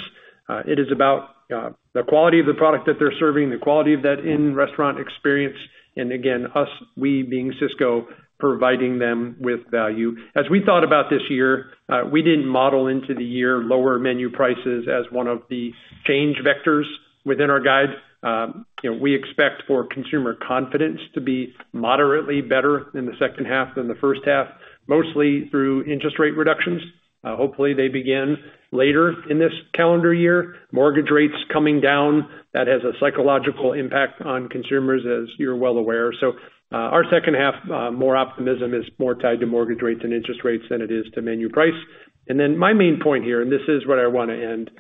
it is about the quality of the product that they're serving, the quality of that in-restaurant experience, and again, us, we being Sysco, providing them with value. As we thought about this year, we didn't model into the year lower menu prices as one of the change vectors within our guide. You know, we expect for consumer confidence to be moderately better in the second half than the first half, mostly through interest rate reductions. Hopefully, they begin later in this calendar year. Mortgage rates coming down, that has a psychological impact on consumers, as you're well aware. So, our second half, more optimism is more tied to mortgage rates and interest rates than it is to menu price. And then my main point here, and this is where I want to end,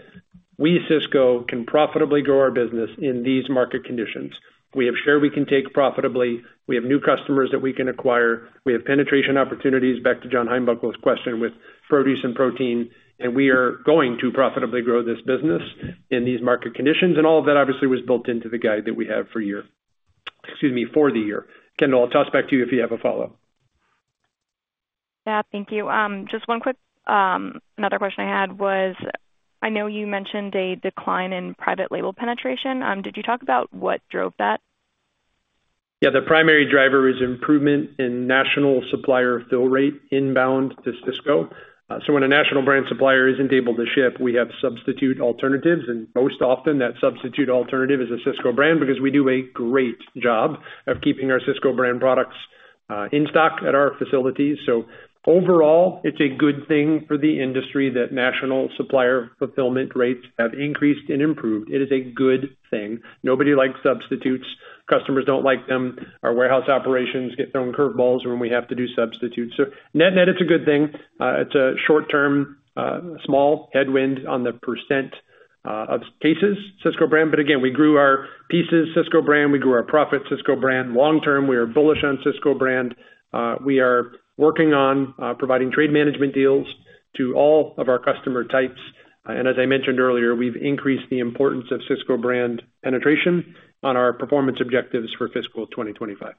we, Sysco, can profitably grow our business in these market conditions. We have share we can take profitably, we have new customers that we can acquire, we have penetration opportunities, back to John Heinbockel's question, with produce and protein, and we are going to profitably grow this business in these market conditions. And all of that, obviously, was built into the guide that we have for year. Excuse me, for the year. Kendall, I'll toss back to you if you have a follow. Yeah, thank you. Just one quick, another question I had was, I know you mentioned a decline in private label penetration. Did you talk about what drove that? Yeah, the primary driver is improvement in national supplier fill rate inbound to Sysco. So when a national brand supplier isn't able to ship, we have substitute alternatives, and most often, that substitute alternative is a Sysco Brand because we do a great job of keeping our Sysco Brand products in stock at our facilities. So overall, it's a good thing for the industry that national supplier fulfillment rates have increased and improved. It is a good thing. Nobody likes substitutes. Customers don't like them. Our warehouse operations get thrown curve balls when we have to do substitutes. So net-net, it's a good thing. It's a short-term small headwind on the percent of cases Sysco Brand, but again, we grew our cases Sysco Brand, we grew our profit Sysco Brand. Long term, we are bullish on Sysco Brand. We are working on providing trade management deals to all of our customer types. As I mentioned earlier, we've increased the importance of Sysco Brand penetration on our performance objectives for fiscal 2025.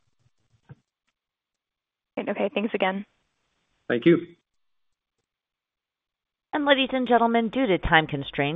Okay, thanks again. Thank you. Ladies and gentlemen, due to time constraints.